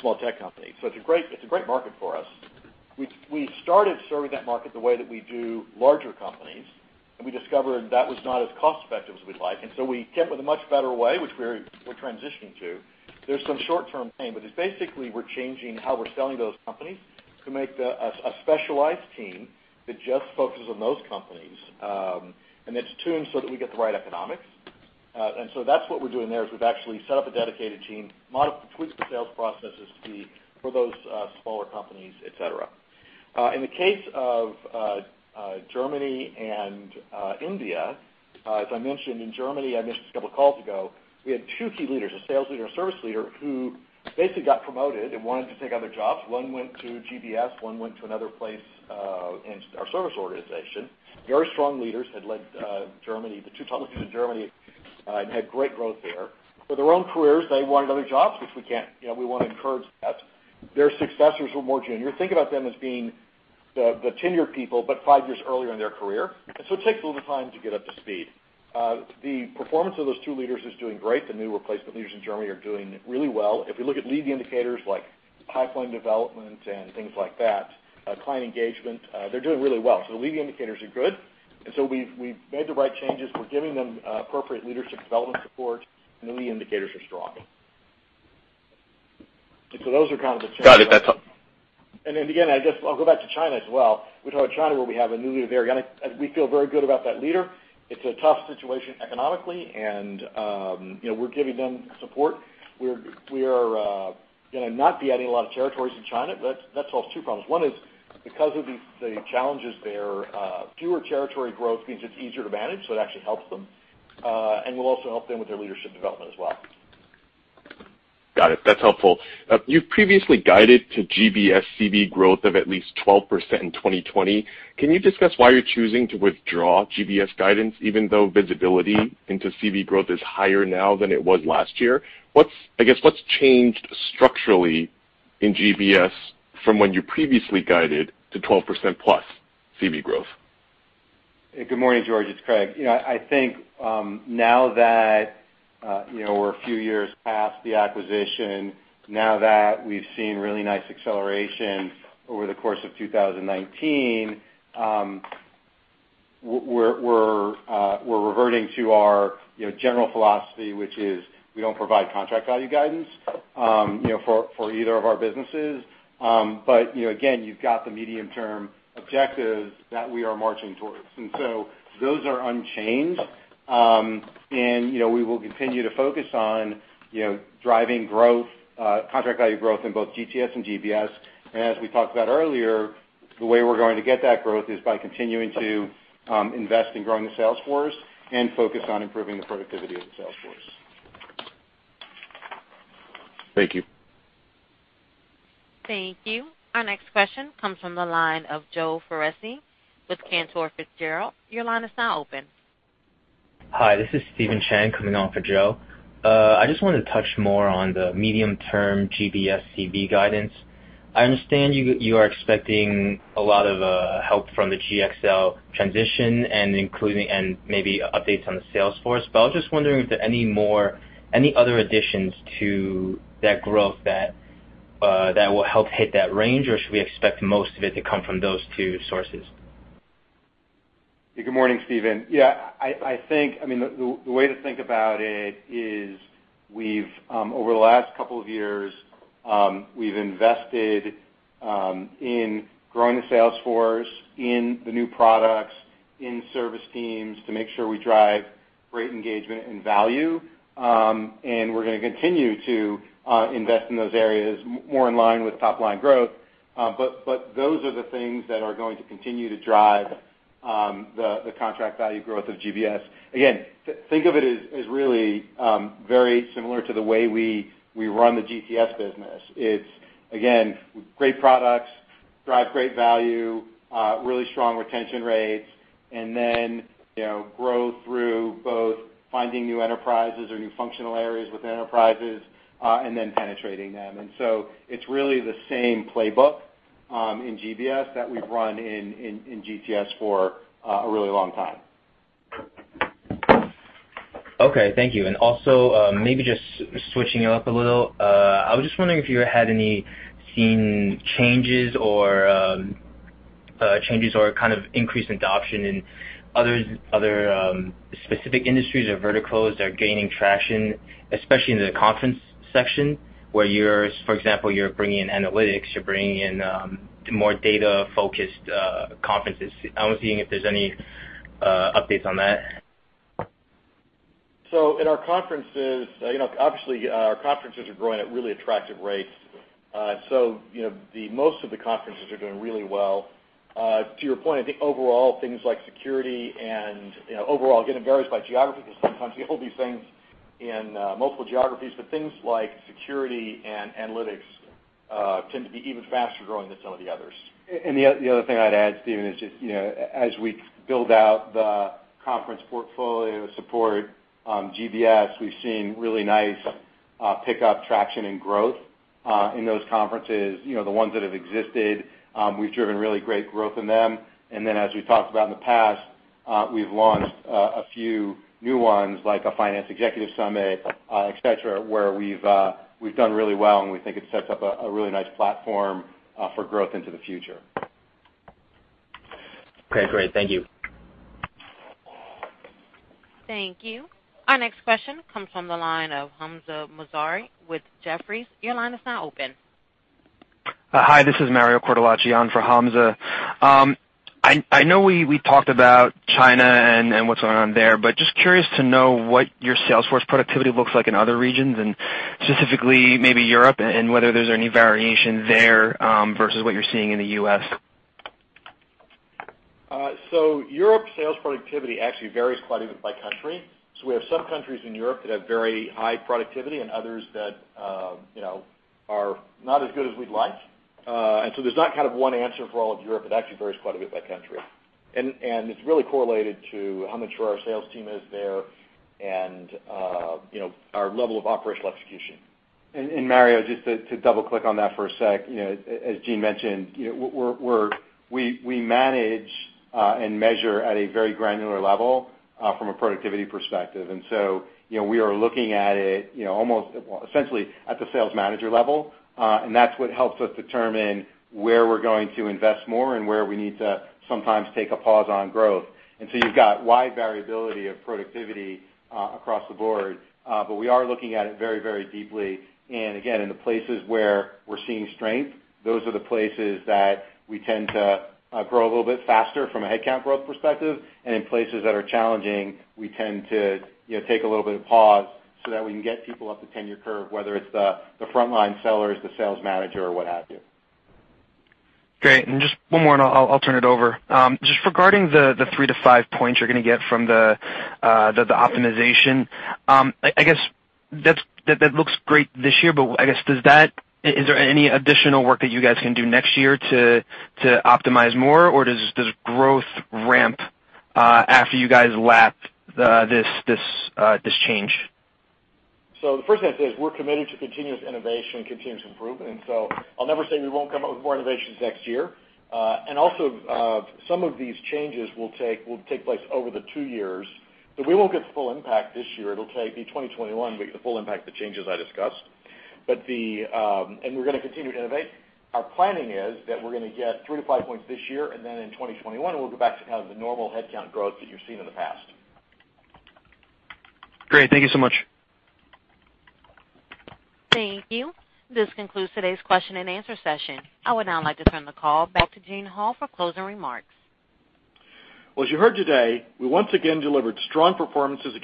small tech companies. It's a great, it's a great market for us. We started serving that market the way that we do larger companies, and we discovered that was not as cost effective as we'd like. We came up with a much better way, which we're transitioning to. There's some short-term pain, but it's basically we're changing how we're selling those companies to make a specialized team that just focuses on those companies, and it's tuned so that we get the right economics. That's what we're doing there, is we've actually set up a dedicated team, modified, tweaked the sales processes to be for those smaller companies, et cetera. In the case of Germany and India, as I mentioned in Germany, I mentioned this a couple of calls ago, we had two key leaders, a sales leader and a service leader, who basically got promoted and wanted to take other jobs. One went to GBS, one went to another place in our service organization. Very strong leaders had led Germany, the two top leaders in Germany, and had great growth there. For their own careers, they wanted other jobs. You know, we wanna encourage that. Their successors were more junior. Think about them as being the tenured people, but five years earlier in their career. It takes a little time to get up to speed. The performance of those two leaders is doing great. The new replacement leaders in Germany are doing really well. If we look at lead indicators like pipeline development and things like that, client engagement, they're doing really well. The lead indicators are good. We've made the right changes. We're giving them appropriate leadership development support, and the lead indicators are strong. Those are kind of the changes. Got it. I'll go back to China as well. We talked about China, where we have a new leader. We feel very good about that leader. It's a tough situation economically, and, you know, we're giving them support. We are gonna not be adding a lot of territories in China. That solves two problems. One is, because of the challenges there, fewer territory growth means it's easier to manage, so it actually helps them. We'll also help them with their leadership development as well. Got it. That's helpful. You've previously guided to GBS CV growth of at least 12% in 2020. Can you discuss why you're choosing to withdraw GBS guidance even though visibility into CV growth is higher now than it was last year? I guess, what's changed structurally in GBS from when you previously guided to 12% plus CV growth? Good morning, George. It's Craig. You know, I think, now that, you know, we're a few years past the acquisition, now that we've seen really nice acceleration over the course of 2019, we're reverting to our, you know, general philosophy, which is we don't provide contract value guidance, you know, for either of our businesses. You know, again, you've got the medium-term objectives that we are marching towards. Those are unchanged. You know, we will continue to focus on, you know, driving growth, contract value growth in both GTS and GBS. As we talked about earlier, the way we're going to get that growth is by continuing to invest in growing the sales force and focus on improving the productivity of the sales force. Thank you. Thank you. Our next question comes from the line of Joe Foresi with Cantor Fitzgerald. Your line is now open. Hi, this is Steven Chang coming on for Joe. I just wanted to touch more on the medium-term GBS CV guidance. I understand you are expecting a lot of help from the GxL transition and maybe updates on the sales force, but I was just wondering if there are any other additions to that growth that will help hit that range, or should we expect most of it to come from those two sources? Good morning, Steven. The way to think about it is we've over the last couple of years, we've invested in growing the sales force, in the new products, in service teams to make sure we drive great engagement and value. We're gonna continue to invest in those areas more in line with top-line growth. Those are the things that are going to continue to drive the contract value growth of GBS. Again, think of it as really very similar to the way we run the GTS business. It's, again, great products, drive great value, really strong retention rates, you know, grow through both finding new enterprises or new functional areas within enterprises, and then penetrating them. It's really the same playbook, in GBS that we've run in GTS for a really long time. Okay. Thank you. Maybe just switching it up a little, I was just wondering if you had any seen changes or changes or kind of increased adoption in other specific industries or verticals that are gaining traction, especially in the conference section, where you're, for example, you're bringing in analytics, you're bringing in more data-focused conferences. I was seeing if there's any updates on that. In our conferences, you know, obviously, our conferences are growing at really attractive rates. You know, the most of the conferences are doing really well. To your point, I think overall, things like security and, you know, overall, again, it varies by geography because sometimes we hold these things in multiple geographies. Things like security and analytics tend to be even faster growing than some of the others. The other thing I'd add, Steven, is just, you know, as we build out the conference portfolio support, GBS, we've seen really nice pickup, traction, and growth in those conferences. You know, the ones that have existed, we've driven really great growth in them. As we've talked about in the past, we've launched a few new ones like a Finance Executive Summit, et cetera, where we've done really well, and we think it sets up a really nice platform for growth into the future. Okay, great. Thank you. Thank you. Our next question comes from the line of Hamza Mazari with Jefferies. Your line is now open. Hi, this is Mario Cortellacci on for Hamza. I know we talked about China and what's going on there, but just curious to know what your sales force productivity looks like in other regions, and specifically maybe Europe, and whether there's any variation there, versus what you're seeing in the U.S. Europe sales productivity actually varies quite a bit by country. We have some countries in Europe that have very high productivity and others that, you know, are not as good as we'd like. There's not kind of one answer for all of Europe. It actually varies quite a bit by country. It's really correlated to how mature our sales team is there and, you know, our level of operational execution. Mario, just to double-click on that for a sec, you know, as Gene mentioned, you know, we manage and measure at a very granular level from a productivity perspective. You know, we are looking at it, you know, almost essentially at the sales manager level, and that's what helps us determine where we're going to invest more and where we need to sometimes take a pause on growth. You've got wide variability of productivity across the board. We are looking at it very, very deeply. Again, in the places where we're seeing strength, those are the places that we tend to grow a little bit faster from a headcount growth perspective. In places that are challenging, we tend to, you know, take a little bit of pause so that we can get people up the tenure curve, whether it's the frontline sellers, the sales manager, or what have you. Great. Just one more, and I'll turn it over. Just regarding the three to five points you're gonna get from the optimization, I guess that looks great this year, but, I guess, is there any additional work that you guys can do next year to optimize more, or does growth ramp after you guys lap this change? The first thing I'd say is we're committed to continuous innovation and continuous improvement, and so I'll never say we won't come up with more innovations next year. Also, some of these changes will take place over the two years. We won't get the full impact this year. It'll be 2021, we get the full impact of the changes I discussed. We're gonna continue to innovate. Our planning is that we're gonna get three to five points this year, and then in 2021, we'll go back to kind of the normal headcount growth that you've seen in the past. Great. Thank you so much. Thank you. This concludes today's question and answer session. I would now like to turn the call back to Gene Hall for closing remarks. Well, as you heard today, we once again delivered strong performances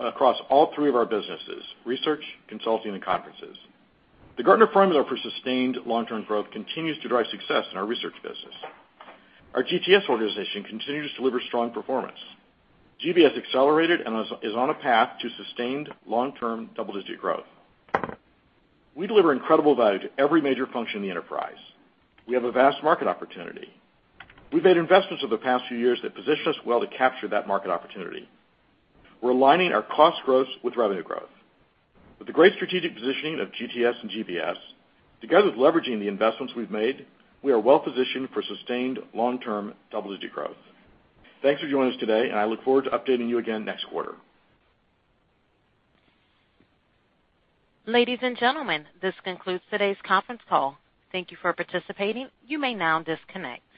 across all 3 of our businesses: research, consulting, and conferences. The Gartner Formula for sustained long-term growth continues to drive success in our research business. Our GTS organization continues to deliver strong performance. GBS accelerated and is on a path to sustained long-term double-digit growth. We deliver incredible value to every major function in the enterprise. We have a vast market opportunity. We've made investments over the past few years that position us well to capture that market opportunity. We're aligning our cost growth with revenue growth. With the great strategic positioning of GTS and GBS, together with leveraging the investments we've made, we are well positioned for sustained long-term double-digit growth. Thanks for joining us today, and I look forward to updating you again next quarter. Ladies and gentlemen, this concludes today's conference call. Thank you for participating. You may now disconnect.